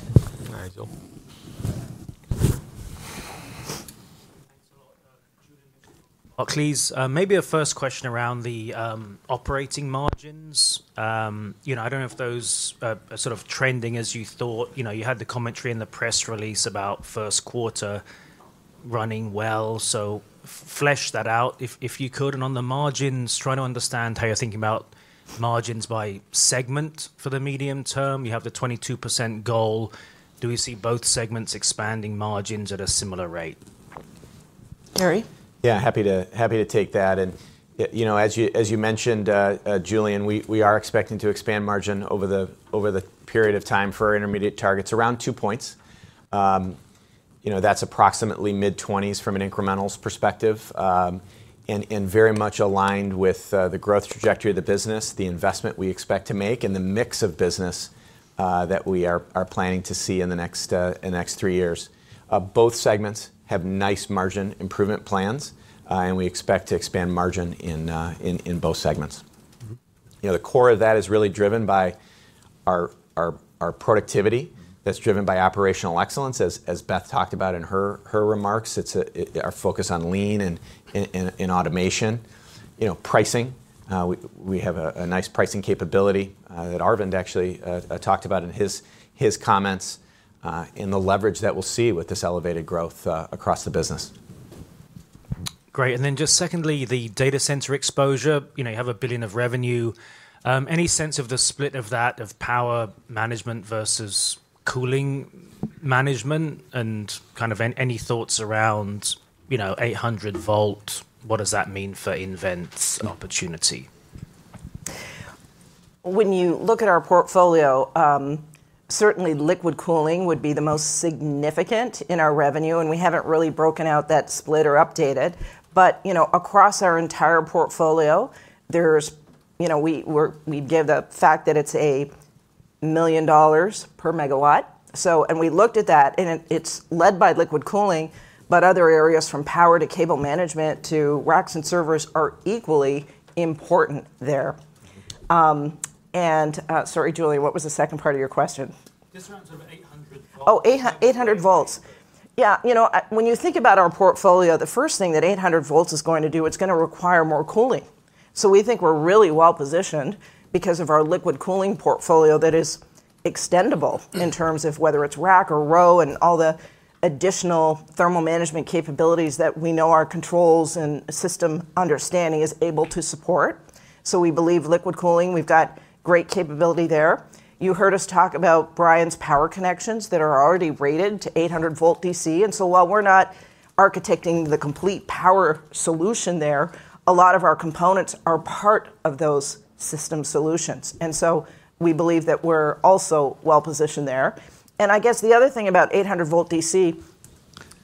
All right. Julian, maybe a first question around the operating margins. You know, I don't know if those are sort of trending as you thought. You know, you had the commentary in the press release about first quarter running well, so flesh that out if you could. On the margins, trying to understand how you're thinking about margins by segment for the medium term. You have the 22% goal. Do we see both segments expanding margins at a similar rate? Gary? Yeah, happy to take that. You know, as you mentioned, Julian, we are expecting to expand margin over the period of time for our intermediate targets around two points. You know, that's approximately mid-20s from an incrementals perspective, and very much aligned with the growth trajectory of the business, the investment we expect to make, and the mix of business that we are planning to see in the next three years. Both segments have nice margin improvement plans, and we expect to expand margin in both segments. Mm-hmm. You know, the core of that is really driven by our productivity. That's driven by operational excellence as Beth talked about in her remarks. It's our focus on lean and in automation. You know, pricing, we have a nice pricing capability that Aravind actually talked about in his comments in the leverage that we'll see with this elevated growth across the business. Great. Just secondly, the data center exposure. You know, you have $1 billion of revenue. Any sense of the split of that, of power management versus cooling management? Kind of any thoughts around, you know, 800 V, what does that mean for nVent's opportunity? When you look at our portfolio, certainly liquid cooling would be the most significant in our revenue, and we haven't really broken out that split or updated. You know, across our entire portfolio, you know, we give the fact that it's $1 million per megawatt. We looked at that, and it's led by liquid cooling, but other areas from power to cable management to racks and servers are equally important there. Sorry, Julian, what was the second part of your question? Just around sort of 800 V. Oh, 800 V. Yeah. You know, when you think about our portfolio, the first thing that 800 V is going to do, it's going to require more cooling. We think we're really well-positioned because of our liquid cooling portfolio that is extendable. Mm. In terms of whether it's rack or row and all the additional thermal management capabilities that we know our controls and system understanding is able to support. We believe liquid cooling, we've got great capability there. You heard us talk about Brian's power connections that are already rated to 800 V DC. While we're not architecting the complete power solution there, a lot of our components are part of those system solutions. We believe that we're also well-positioned there. I guess the other thing about 800-V DC.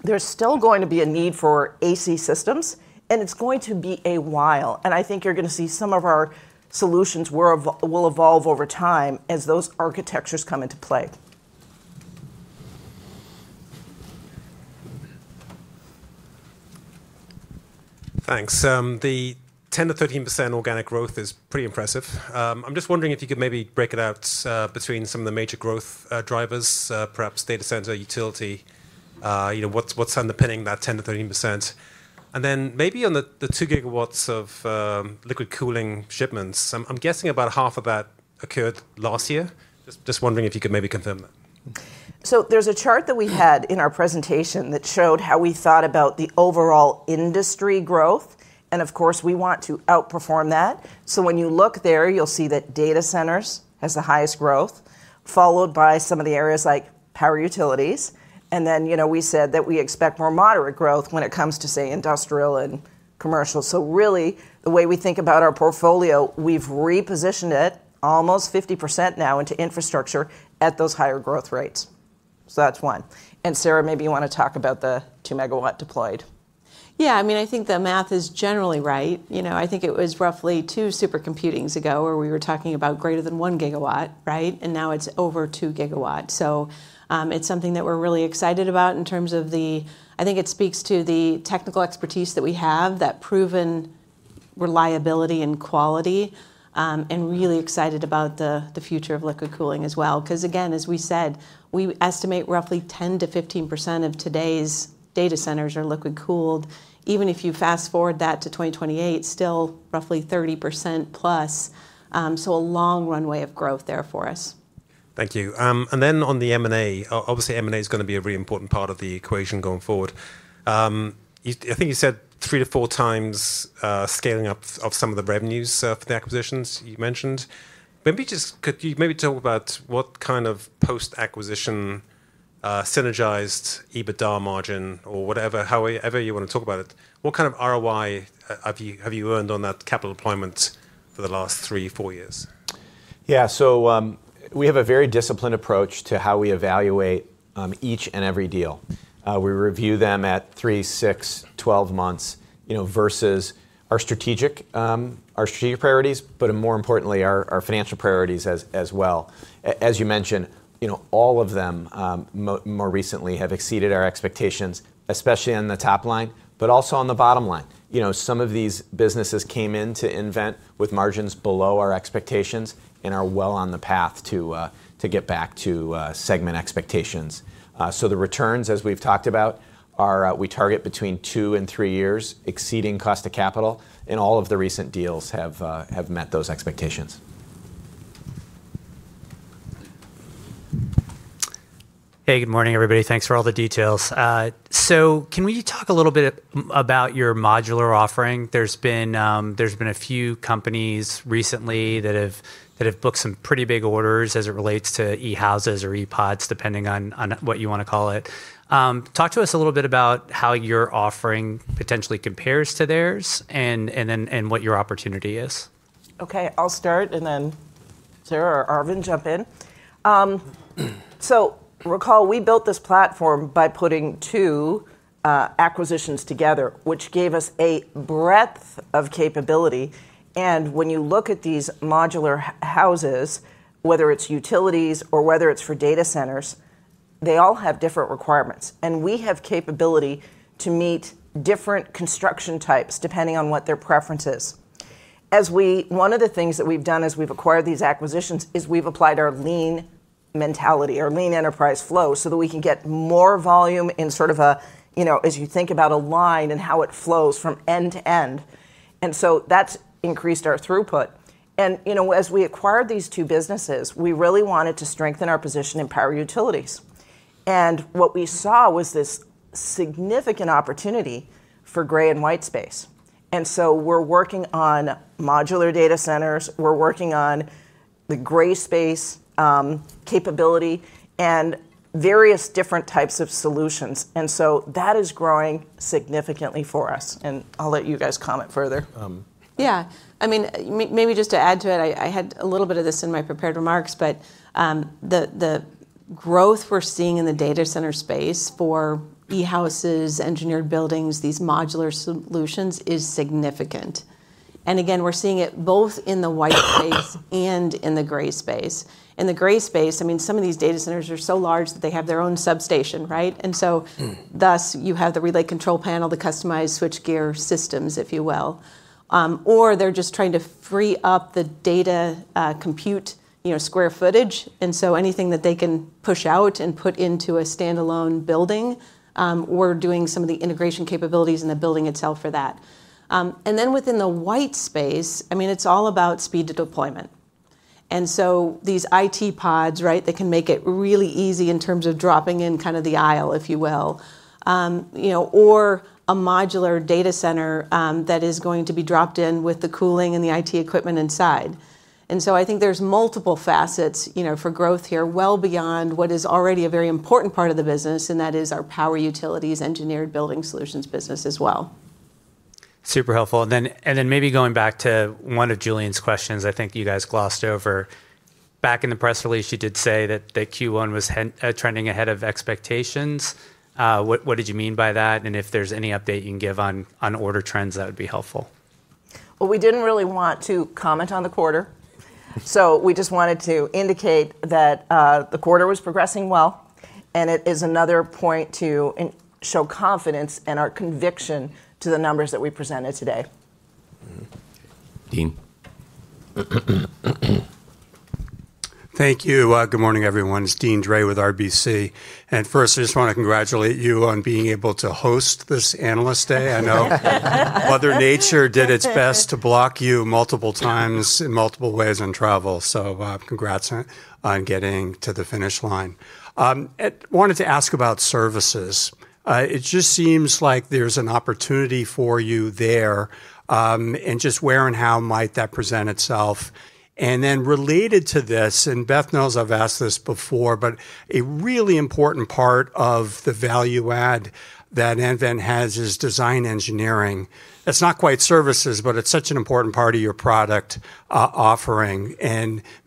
There's still going to be a need for AC systems, and it's going to be a while. I think you're going to see some of our solutions will evolve over time as those architectures come into play. Thanks. The 10%-13% organic growth is pretty impressive. I'm just wondering if you could maybe break it out between some of the major growth drivers, perhaps data center, utility. You know, what's underpinning that 10%-13%? Maybe on the 2 GW of liquid cooling shipments, I'm guessing about half of that occurred last year. Just wondering if you could maybe confirm that. There's a chart that we had in our presentation that showed how we thought about the overall industry growth, and of course, we want to outperform that. When you look there, you'll see that data centers has the highest growth, followed by some of the areas like power utilities. Then, you know, we said that we expect more moderate growth when it comes to, say, industrial and commercial. Really, the way we think about our portfolio, we've repositioned it almost 50% now into infrastructure at those higher growth rates. That's one. Sara, maybe you wanna talk about the 2 MW deployed. Yeah. I mean, I think the math is generally right. You know, I think it was roughly two supercomputings ago where we were talking about greater than 1 GW, right? Now it's over 2 GW. It's something that we're really excited about in terms of the, I think it speaks to the technical expertise that we have, that proven reliability and quality, and really excited about the future of liquid cooling as well. Because again, as we said, we estimate roughly 10%-15% of today's data centers are liquid cooled. Even if you fast-forward that to 2028, still roughly 30% plus, so a long runway of growth there for us. Thank you. On the M&A, obviously, M&A is going to be a very important part of the equation going forward. I think you said 3x-4x scaling up of some of the revenues for the acquisitions you mentioned. Maybe just could you maybe talk about what kind of post-acquisition synergized EBITDA margin or whatever, however you want to talk about it, what kind of ROI have you earned on that capital employed for the last three to four years? Yeah. We have a very disciplined approach to how we evaluate each and every deal. We review them at three, six, 12 months, you know, versus our strategic priorities, but more importantly, our financial priorities as well. As you mentioned, you know, all of them more recently have exceeded our expectations, especially on the top line, but also on the bottom line. You know, some of these businesses came in to nVent with margins below our expectations and are well on the path to get back to segment expectations. The returns, as we've talked about, we target between two and three years exceeding cost of capital, and all of the recent deals have met those expectations. Hey, good morning, everybody. Thanks for all the details. Can we talk a little bit about your modular offering? There's been a few companies recently that have booked some pretty big orders as it relates to e-houses or IT pods, depending on what you wanna call it. Talk to us a little bit about how your offering potentially compares to theirs and then what your opportunity is. Okay, I'll start and then Sara or Arvind jump in. Recall we built this platform by putting two acquisitions together, which gave us a breadth of capability. When you look at these modular e-houses, whether it's utilities or whether it's for data centers, they all have different requirements. We have capability to meet different construction types depending on what their preference is. One of the things that we've done as we've acquired these acquisitions is we've applied our lean mentality or lean enterprise flow so that we can get more volume in sort of a, you know, as you think about a line and how it flows from end to end. That's increased our throughput. You know, as we acquired these two businesses, we really wanted to strengthen our position in power utilities. What we saw was this significant opportunity for gray and white space. We're working on modular data centers. We're working on the gray space, capability and various different types of solutions. That is growing significantly for us. I'll let you guys comment further. Um- Yeah. I mean, maybe just to add to it, I had a little bit of this in my prepared remarks, but the growth we're seeing in the data center space for e-houses, engineered buildings, these modular solutions is significant. Again, we're seeing it both in the white space and in the gray space. In the gray space, I mean, some of these data centers are so large that they have their own substation, right? Mm Thus, you have the relay control panel to customize switchgear systems, if you will. Or they're just trying to free up the data compute, you know, square footage. Anything that they can push out and put into a standalone building, we're doing some of the integration capabilities in the building itself for that. Then within the white space, I mean, it's all about speed to deployment. These IT pods, right, they can make it really easy in terms of dropping in kind of the aisle, if you will. You know, or a modular data center that is going to be dropped in with the cooling and the IT equipment inside. I think there's multiple facets, you know, for growth here, well beyond what is already a very important part of the business, and that is our power utilities engineered building solutions business as well. Super helpful. Maybe going back to one of Julian's questions I think you guys glossed over. Back in the press release, you did say that Q1 was trending ahead of expectations. What did you mean by that? If there's any update you can give on order trends, that would be helpful. Well, we didn't really want to comment on the quarter. We just wanted to indicate that the quarter was progressing well, and it is another point to show confidence in our conviction to the numbers that we presented today. Dean. Thank you. Good morning everyone. It's Deane Dray with RBC. First, I just want to congratulate you on being able to host this analyst day. I know Mother Nature did its best to block you multiple times in multiple ways on travel. Congrats on getting to the finish line. Wanted to ask about services. It just seems like there's an opportunity for you there, and just where and how might that present itself? Related to this, and Beth knows I've asked this before, but a really important part of the value add that nVent has is design engineering. It's not quite services, but it's such an important part of your product offering.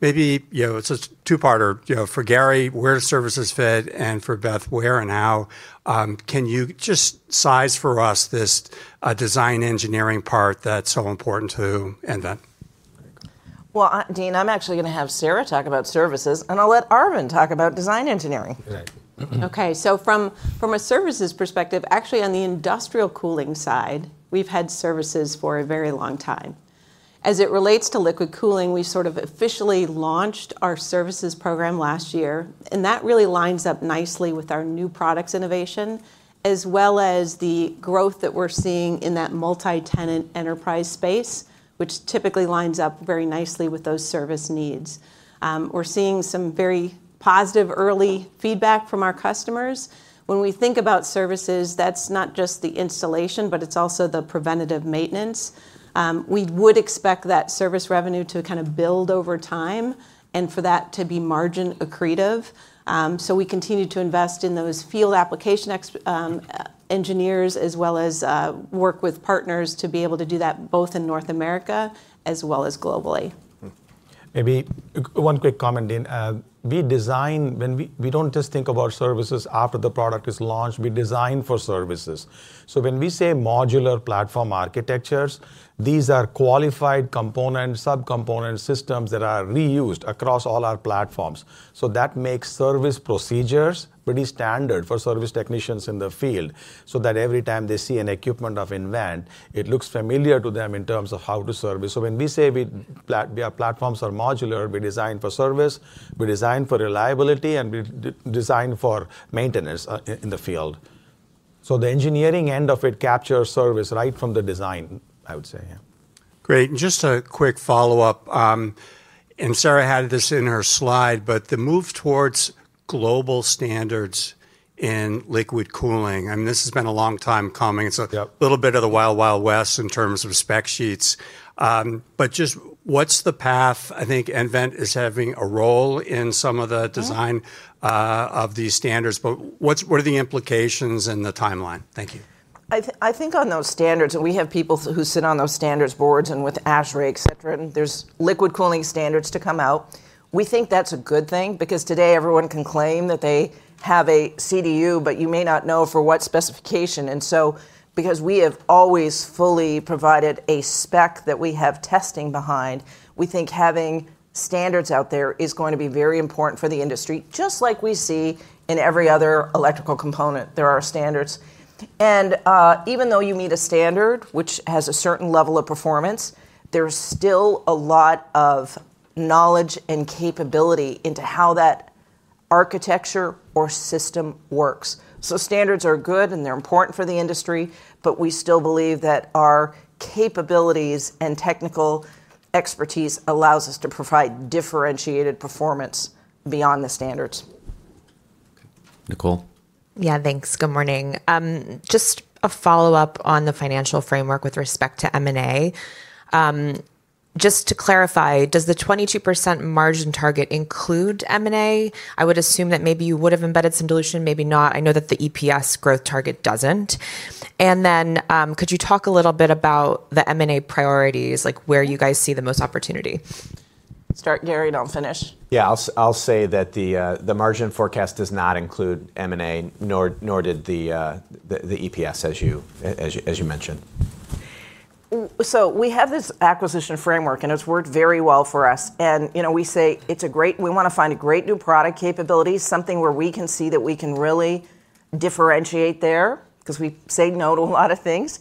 Maybe, you know, it's a two-parter. You know, for Gary, where services fit, and for Beth, where and how, can you just size for us this, design engineering part that's so important to nVent? Well, Deane, I'm actually going to have Sara talk about services, and I'll let Aravind talk about design engineering. Right. Okay. From a services perspective, actually on the industrial cooling side, we've had services for a very long time. As it relates to liquid cooling, we sort of officially launched our services program last year, and that really lines up nicely with our new products innovation, as well as the growth that we're seeing in that multi-tenant enterprise space, which typically lines up very nicely with those service needs. We're seeing some very positive early feedback from our customers. When we think about services, that's not just the installation, but it's also the preventative maintenance. We would expect that service revenue to kind of build over time and for that to be margin accretive. We continue to invest in those field application engineers, as well as work with partners to be able to do that both in North America as well as globally. Mm. Maybe one quick comment, Dean. We design. When we don't just think about services after the product is launched, we design for services. When we say modular platform architectures, these are qualified component, subcomponent systems that are reused across all our platforms. That makes service procedures pretty standard for service technicians in the field so that every time they see an equipment of nVent, it looks familiar to them in terms of how to service. When we say our platforms are modular, we design for service, we design for reliability, and we design for maintenance, in the field. The engineering end of it captures service right from the design, I would say. Yeah. Great. Just a quick follow-up, and Sara had this in her slide, but the move towards global standards in liquid cooling, and this has been a long time coming. Yeah a little bit of the Wild Wild West in terms of spec sheets. Just what's the path? I think nVent is having a role in some of the design- Mm-hmm Of these standards, what are the implications and the timeline? Thank you. I think on those standards, and we have people who sit on those standards boards and with ASHRAE, et cetera, and there's liquid cooling standards to come out. We think that's a good thing because today everyone can claim that they have a CDU, but you may not know for what specification. Because we have always fully provided a spec that we have testing behind, we think having standards out there is going to be very important for the industry, just like we see in every other electrical component, there are standards. Even though you meet a standard which has a certain level of performance, there's still a lot of knowledge and capability into how that architecture or system works. Standards are good, and they're important for the industry, but we still believe that our capabilities and technical expertise allows us to provide differentiated performance beyond the standards. Okay. Nicole. Yeah, thanks. Good morning. Just a follow-up on the financial framework with respect to M&A. Just to clarify, does the 22% margin target include M&A? I would assume that maybe you would have embedded some dilution, maybe not. I know that the EPS growth target doesn't. Could you talk a little bit about the M&A priorities, like where you guys see the most opportunity? Start, Gary, and I'll finish. Yeah. I'll say that the margin forecast does not include M&A, nor did the EPS as you mentioned. We have this acquisition framework, and it's worked very well for us. You know, we want to find a great new product capability, something where we can see that we can really differentiate there, because we say no to a lot of things.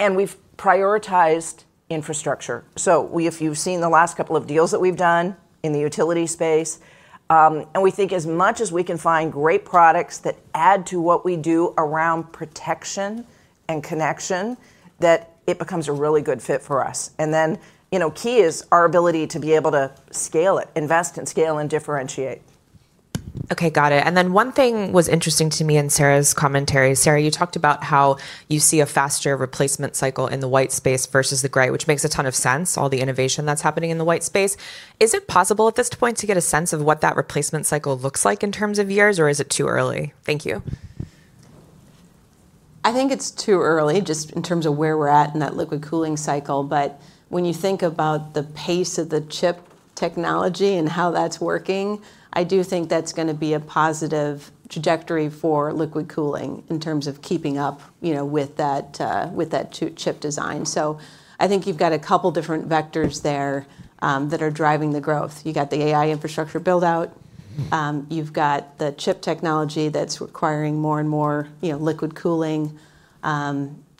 We've prioritized infrastructure. If you've seen the last couple of deals that we've done in the utility space, and we think as much as we can find great products that add to what we do around protection and connection, that it becomes a really good fit for us. You know, key is our ability to be able to scale it, invest and scale and differentiate. Okay, got it. One thing was interesting to me in Sara's commentary. Sara, you talked about how you see a faster replacement cycle in the white space versus the gray, which makes a ton of sense, all the innovation that's happening in the white space. Is it possible at this point to get a sense of what that replacement cycle looks like in terms of years, or is it too early? Thank you. I think it's too early just in terms of where we're at in that liquid cooling cycle. When you think about the pace of the chip technology and how that's working, I do think that's going to be a positive trajectory for liquid cooling in terms of keeping up, you know, with that, with that two-chip design. I think you've got a couple different vectors there that are driving the growth. You got the AI infrastructure build-out, you've got the chip technology that's requiring more and more, you know, liquid cooling,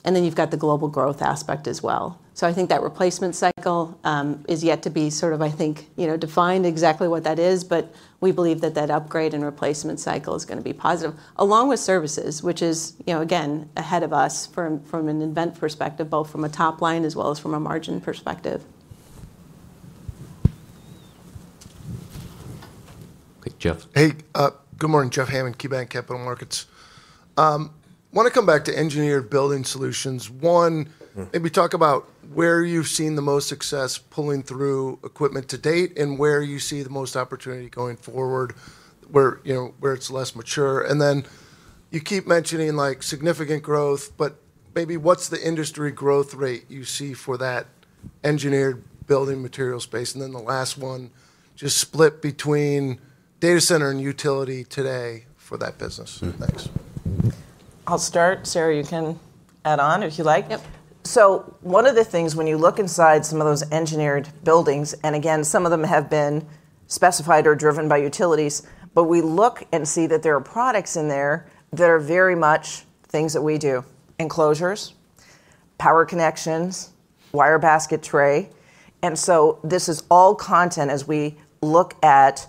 and then you've got the global growth aspect as well. I think that replacement cycle is yet to be sort of I think, you know, defined exactly what that is, but we believe that that upgrade and replacement cycle is going to be positive, along with services, which is, you know, again, ahead of us from an nVent perspective, both from a top line as well as from a margin perspective. Okay, Jeff. Hey. Good morning. Jeffrey Hammond, KeyBanc Capital Markets. Wanto to come back to engineered building solutions. One, maybe talk about where you've seen the most success pulling through equipment to date and where you see the most opportunity going forward, where, you know, where it's less mature. You keep mentioning like significant growth, but maybe what's the industry growth rate you see for that engineered building material space? The last one, just split between data center and utility today for that business. Mm-hmm. Thanks. I'll start. Sara, you can add on if you like. Yep. One of the things when you look inside some of those engineered buildings, and again, some of them have been specified or driven by utilities, but we look and see that there are products in there that are very much things that we do, enclosures, power connections, Wire Basket Tray. This is all content as we look at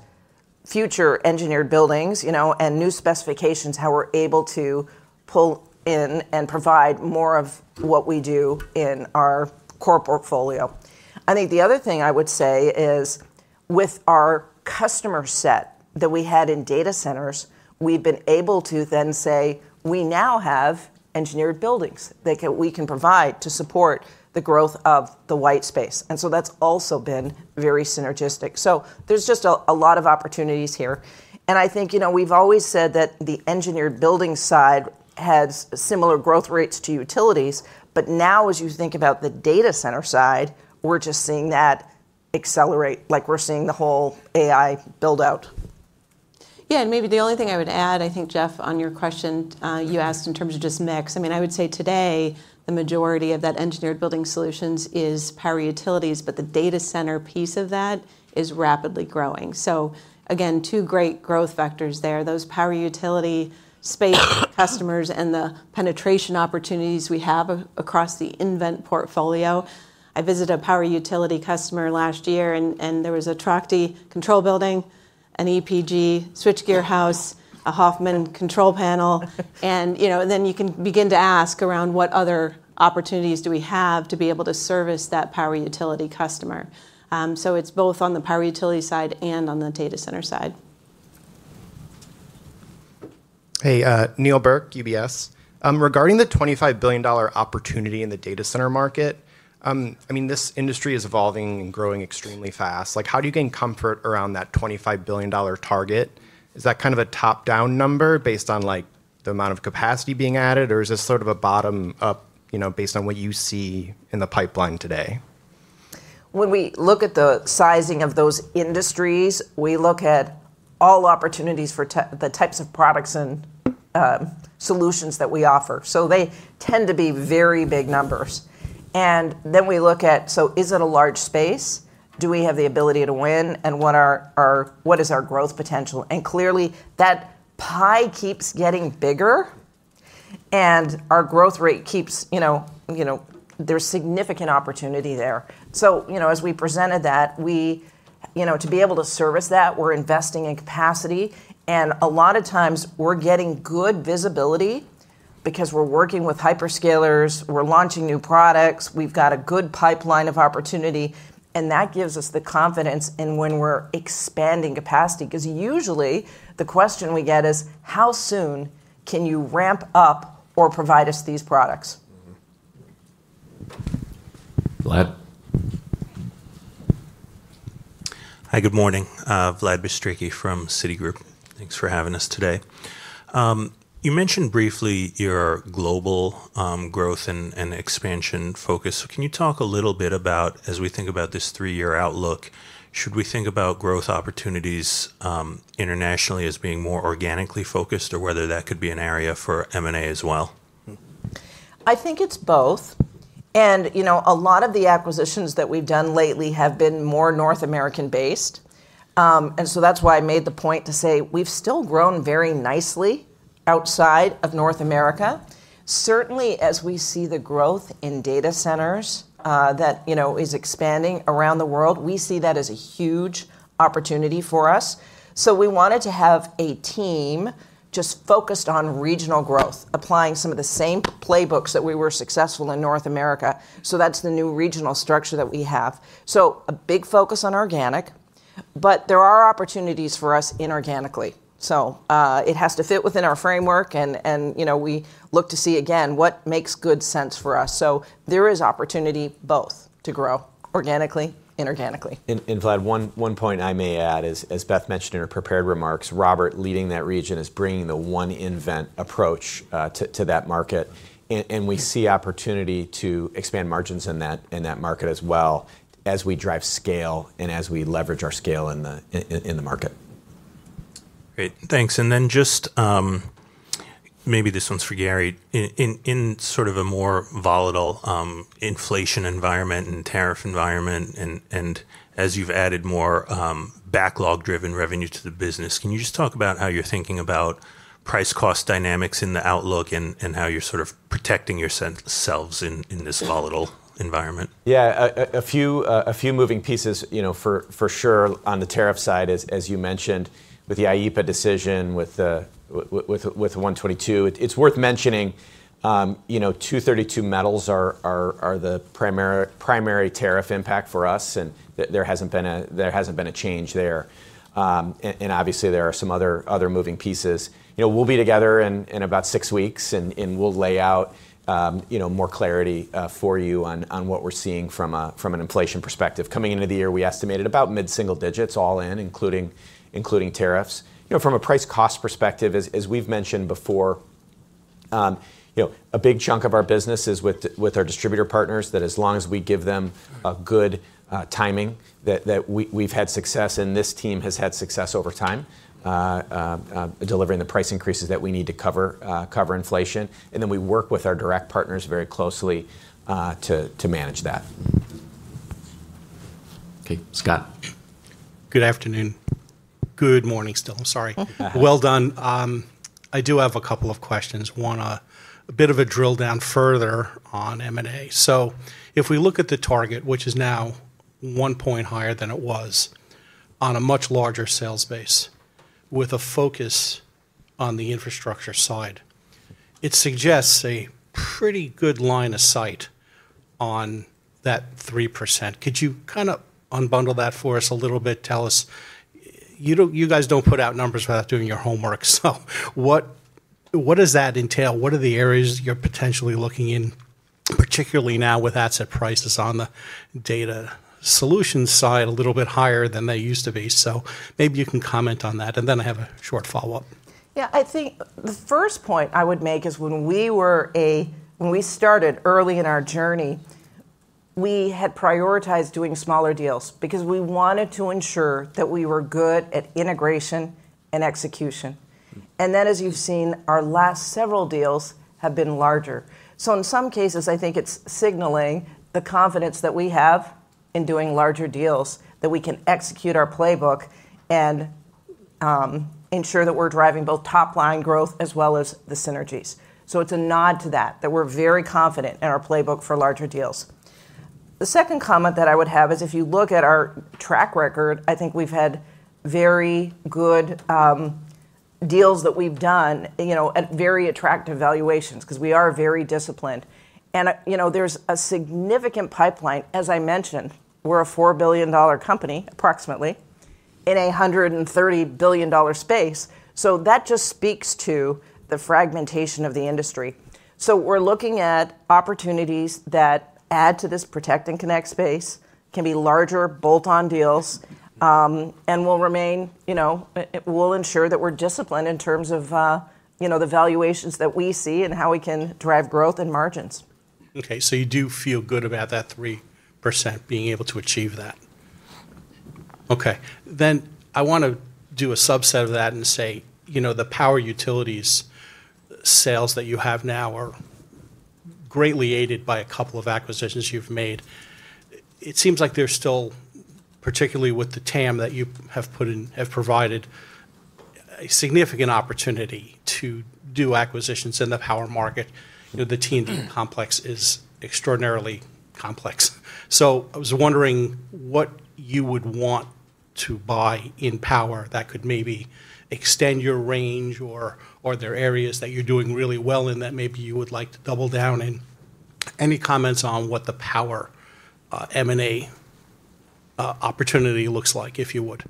future engineered buildings, you know, and new specifications, how we're able to pull in and provide more of what we do in our core portfolio. I think the other thing I would say is with our customer set that we had in data centers, we've been able to then say, "We now have engineered buildings that we can provide to support the growth of the white space." That's also been very synergistic. There's just a lot of opportunities here, and I think, you know, we've always said that the engineered building side has similar growth rates to utilities, but now as you think about the data center side, we're just seeing that accelerate, like we're seeing the whole AI build-out. Maybe the only thing I would add, I think, Jeff, on your question, you asked in terms of just mix. I mean, I would say today the majority of that engineered building solutions is power utilities, but the data center piece of that is rapidly growing. Again, two great growth vectors there. Those power utility space customers and the penetration opportunities we have across the nVent portfolio. I visited a power utility customer last year and there was a Trachte control building, an EPG switchgear e-house, a nVent HOFFMAN control panel. You know, then you can begin to ask around what other opportunities do we have to be able to service that power utility customer. It's both on the power utility side and on the data center side. Hey, Neal Burk, UBS. Regarding the $25 billion opportunity in the data center market, I mean, this industry is evolving and growing extremely fast. Like, how do you gain comfort around that $25 billion target? Is that kind of a top-down number based on like the amount of capacity being added, or is this sort of a bottom up, you know, based on what you see in the pipeline today? When we look at the sizing of those industries, we look at all opportunities for the types of products and solutions that we offer. They tend to be very big numbers. Then we look at, so is it a large space? Do we have the ability to win, and what is our growth potential? Clearly, that pie keeps getting bigger, and our growth rate keeps, you know, there's significant opportunity there. You know, as we presented that, we, you know, to be able to service that, we're investing in capacity. A lot of times we're getting good visibility because we're working with hyperscalers, we're launching new products, we've got a good pipeline of opportunity, and that gives us the confidence in when we're expanding capacity. Because usually the question we get is, "How soon can you ramp up or provide us these products? Mm-hmm. Vlad. Hi, good morning. Vladimir Bystricky from Citigroup. Thanks for having us today. You mentioned briefly your global growth and expansion focus. Can you talk a little bit about, as we think about this three-year outlook, should we think about growth opportunities internationally as being more organically focused or whether that could be an area for M&A as well? I think it's both. You know, a lot of the acquisitions that we've done lately have been more North American-based. That's why I made the point to say we've still grown very nicely outside of North America. Certainly, as we see the growth in data centers, that, you know, is expanding around the world, we see that as a huge opportunity for us. We wanted to have a team just focused on regional growth, applying some of the same playbooks that we were successful in North America. That's the new regional structure that we have. A big focus on organic. There are opportunities for us inorganically. It has to fit within our framework and, you know, we look to see again what makes good sense for us. There is opportunity both to grow organically, inorganically. Vlad, one point I may add is, as Beth mentioned in her prepared remarks, Robert leading that region is bringing the nVent approach to that market. We see opportunity to expand margins in that market as well as we drive scale and as we leverage our scale in the market. Great. Thanks. Just maybe this one's for Gary. In sort of a more volatile inflation environment and tariff environment, and as you've added more backlog-driven revenue to the business, can you just talk about how you're thinking about price cost dynamics in the outlook and how you're sort of protecting yourselves in this volatile environment? Yeah. A few moving pieces, you know, for sure on the tariff side as you mentioned with the IEEPA decision, with the Section 122. It's worth mentioning, you know, Section 232 metals are the primary tariff impact for us, and there hasn't been a change there. And obviously, there are some other moving pieces. You know, we'll be together in about six weeks, and we'll lay out, you know, more clarity for you on what we're seeing from an inflation perspective. Coming into the year, we estimated about mid-single digits all in including tariffs. You know, from a price cost perspective, as we've mentioned before, you know, a big chunk of our business is with our distributor partners, that as long as we give them a good timing, that we've had success, and this team has had success over time, delivering the price increases that we need to cover inflation. Then we work with our direct partners very closely, to manage that. Okay, Scott. Good afternoon. Good morning still. I'm sorry. Well done. I do have a couple of questions. One, a bit of a drill down further on M&A. If we look at the target, which is now one point higher than it was on a much larger sales base with a focus on the infrastructure side, it suggests a pretty good line of sight on that 3%. Could you kind of unbundle that for us a little bit? You guys don't put out numbers without doing your homework. What does that entail? What are the areas you're potentially looking in, particularly now with asset prices on the data solution side a little bit higher than they used to be? Maybe you can comment on that. Then I have a short follow-up. Yeah. I think the first point I would make is when we started early in our journey, we had prioritized doing smaller deals because we wanted to ensure that we were good at integration and execution. Mm-hmm. Then as you've seen, our last several deals have been larger. In some cases, I think it's signaling the confidence that we have in doing larger deals, that we can execute our playbook and ensure that we're driving both top line growth as well as the synergies. It's a nod to that we're very confident in our playbook for larger deals. The second comment that I would have is if you look at our track record, I think we've had very good deals that we've done, you know, at very attractive valuations because we are very disciplined. You know, there's a significant pipeline. As I mentioned, we're a $4 billion company approximately in a $130 billion space. That just speaks to the fragmentation of the industry. We're looking at opportunities that add to this protect and connect space, can be larger bolt-on deals, and will remain, you know. It will ensure that we're disciplined in terms of, you know, the valuations that we see and how we can drive growth and margins. Okay. You do feel good about that 3% being able to achieve that? Okay. I wanna do a subset of that and say, you know, the power utilities sales that you have now are greatly aided by a couple of acquisitions you've made. It seems like they're still, particularly with the TAM that you have put in, have provided a significant opportunity to do acquisitions in the power market. You know, the T&D complex is extraordinarily complex. I was wondering what you would want to buy in power that could maybe extend your range, or there are areas that you're doing really well in that maybe you would like to double down in. Any comments on what the power M&A opportunity looks like, if you would?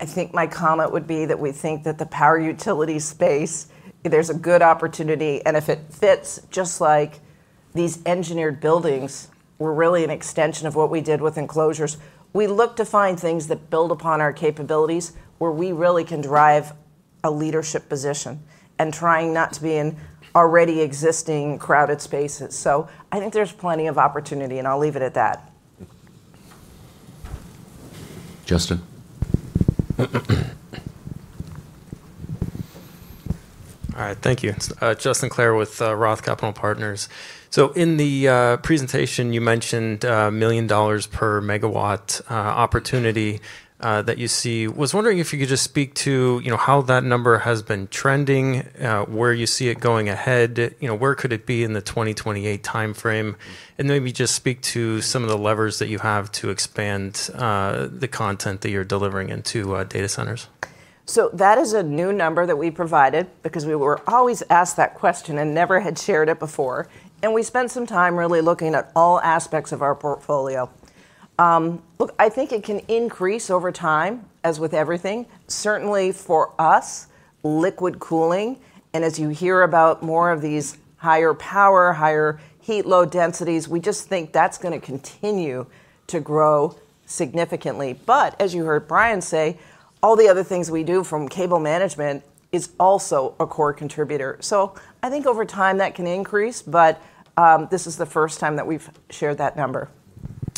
I think my comment would be that we think that the power utility space, there's a good opportunity, and if it fits, just like these engineered buildings were really an extension of what we did with enclosures. We look to find things that build upon our capabilities, where we really can drive a leadership position and trying not to be in already existing crowded spaces. I think there's plenty of opportunity, and I'll leave it at that. Justin. All right. Thank you. It's Justin Clare with Roth Capital Partners. In the presentation, you mentioned $1 million per megawatt opportunity that you see. Was wondering if you could just speak to, you know, how that number has been trending, where you see it going ahead. You know, where could it be in the 2028 timeframe? Maybe just speak to some of the levers that you have to expand the content that you're delivering into data centers. That is a new number that we provided because we were always asked that question and never had shared it before, and we spent some time really looking at all aspects of our portfolio. Look, I think it can increase over time, as with everything. Certainly for us, liquid cooling, and as you hear about more of these higher power, higher heat load densities, we just think that's going to continue to grow significantly. As you heard Brian say, all the other things we do from cable management is also a core contributor. I think over time that can increase, but, this is the first time that we've shared that number.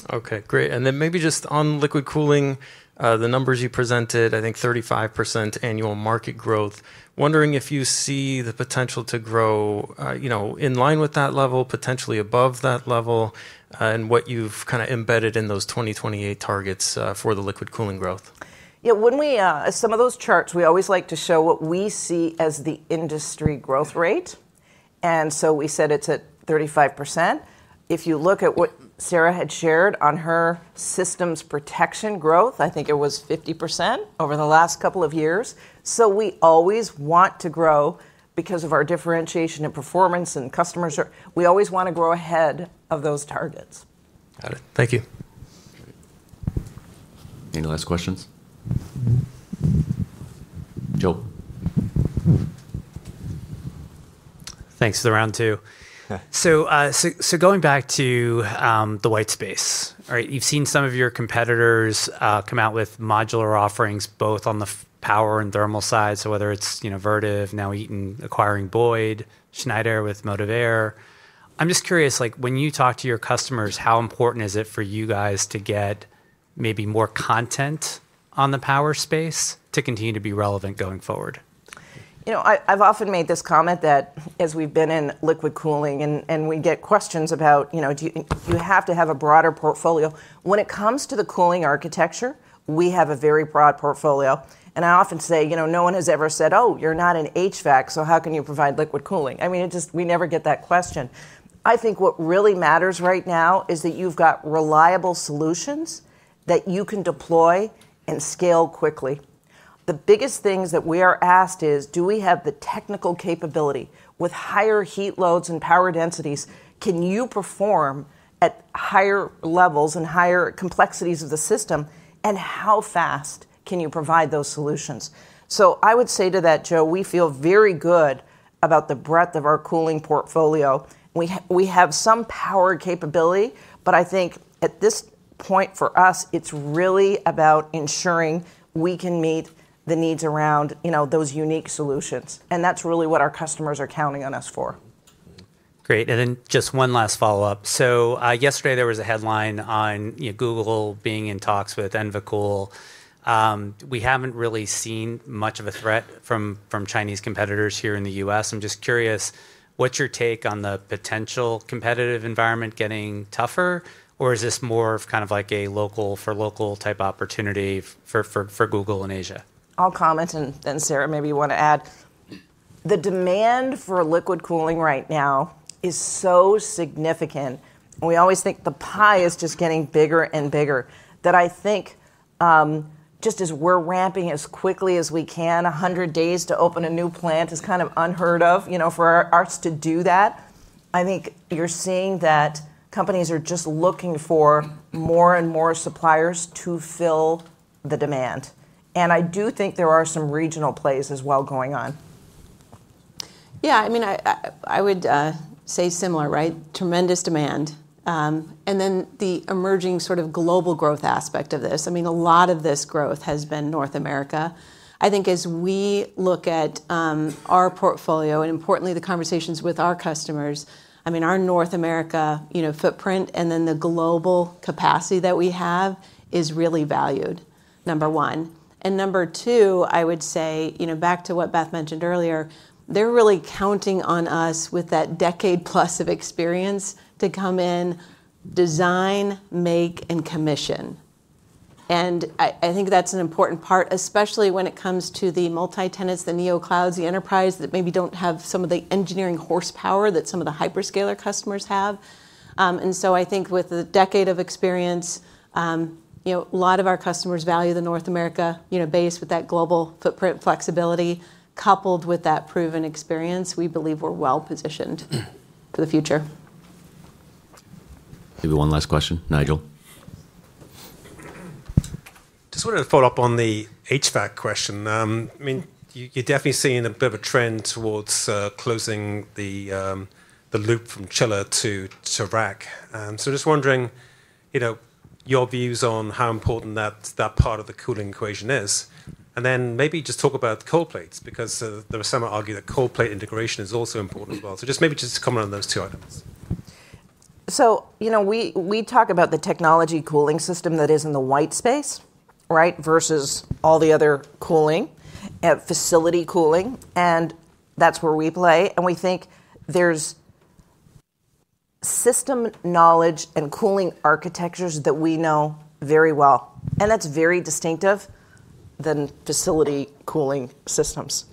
Okay, great. Maybe just on liquid cooling, the numbers you presented, I think 35% annual market growth. Wondering if you see the potential to grow, you know, in line with that level, potentially above that level, and what you've kind of embedded in those 2028 targets for the liquid cooling growth. Yeah. Some of those charts, we always like to show what we see as the industry growth rate, and so we said it's at 35%. If you look at what Sara had shared on her Systems Protection growth, I think it was 50% over the last couple of years. We always want to grow because of our differentiation and performance. We always want to grow ahead of those targets. Got it. Thank you. Any last questions? Joe. Thanks. This is round two. Yeah. Going back to the white space. All right. You've seen some of your competitors come out with modular offerings, both on the power and thermal side. Whether it's, you know, Vertiv, now Eaton acquiring Boyd, Schneider with Motivair. I'm just curious, like, when you talk to your customers, how important is it for you guys to get maybe more content on the power space to continue to be relevant going forward? You know, I've often made this comment that as we've been in liquid cooling and we get questions about, you know, do you have to have a broader portfolio. When it comes to the cooling architecture, we have a very broad portfolio, and I often say, you know, no one has ever said, "Oh, you're not an HVAC, so how can you provide liquid cooling?" I mean, it just, we never get that question. I think what really matters right now is that you've got reliable solutions that you can deploy and scale quickly. The biggest things that we are asked is, do we have the technical capability with higher heat loads and power densities, can you perform at higher levels and higher complexities of the system, and how fast can you provide those solutions? I would say to that, Joe, we feel very good about the breadth of our cooling portfolio. We have some power capability, but I think at this point for us, it's really about ensuring we can meet the needs around, you know, those unique solutions, and that's really what our customers are counting on us for. Mm-hmm. Great. Then just one last follow-up. So, yesterday there was a headline on, you know, Google being in talks with Envicool. We haven't really seen much of a threat from Chinese competitors here in the U.S. I'm just curious, what's your take on the potential competitive environment getting tougher, or is this more of kind of like a local for local type opportunity for Google in Asia? I'll comment and then, Sara, maybe you wanna add. The demand for liquid cooling right now is so significant, and we always think the pie is just getting bigger and bigger, that I think, just as we're ramping as quickly as we can, 100 days to open a new plant is kind of unheard of, you know, for our part to do that. I think you're seeing that companies are just looking for more and more suppliers to fill the demand, and I do think there are some regional plays as well going on. Yeah, I mean, I would say similar, right? Tremendous demand. Then the emerging sort of global growth aspect of this. I mean, a lot of this growth has been North America. I think as we look at our portfolio, and importantly the conversations with our customers, I mean, our North America, you know, footprint and then the global capacity that we have is really valued, number one. Number two, I would say, you know, back to what Beth mentioned earlier, they're really counting on us with that decade plus of experience to come in, design, make, and commission. I think that's an important part, especially when it comes to the multi-tenants, the NeoClouds, the enterprise that maybe don't have some of the engineering horsepower that some of the hyperscaler customers have. I think with the decade of experience, you know, a lot of our customers value the North American base with that global footprint flexibility. Coupled with that proven experience, we believe we're well positioned for the future. Give you one last question. Nigel. Just wanted to follow up on the HVAC question. I mean, you're definitely seeing a bit of a trend towards closing the loop from chiller to rack. Just wondering, you know, your views on how important that part of the cooling equation is. Maybe just talk about cold plates because there were some that argue that cold plate integration is also important as well. Just maybe comment on those two items. You know, we talk about the technology cooling system that is in the white space, right, versus all the other cooling, facility cooling, and that's where we play. We think there's system knowledge and cooling architectures that we know very well, and that's very distinctive than facility cooling systems.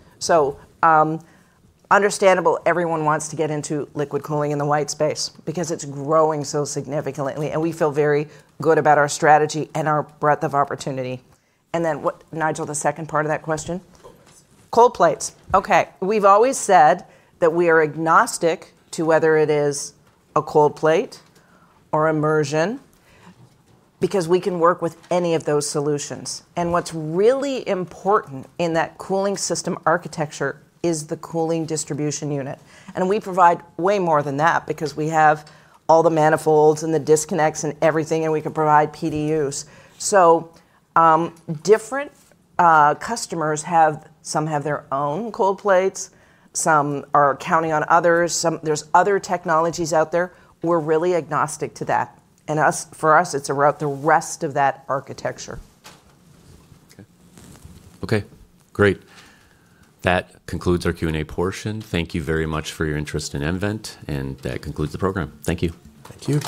Understandable everyone wants to get into liquid cooling in the white space because it's growing so significantly, and we feel very good about our strategy and our breadth of opportunity. Then what, Nigel, the second part of that question? Cold plates. Cold plates. Okay. We've always said that we are agnostic to whether it is a cold plate or immersion because we can work with any of those solutions. What's really important in that cooling system architecture is the cooling distribution unit, and we provide way more than that because we have all the manifolds and the disconnects and everything, and we can provide PDUs. So, different customers, some have their own cold plates, some are counting on others, some, there's other technologies out there. We're really agnostic to that, and for us, it's about the rest of that architecture. Okay. Okay, great. That concludes our Q&A portion. Thank you very much for your interest in nVent, and that concludes the program. Thank you. Thank you.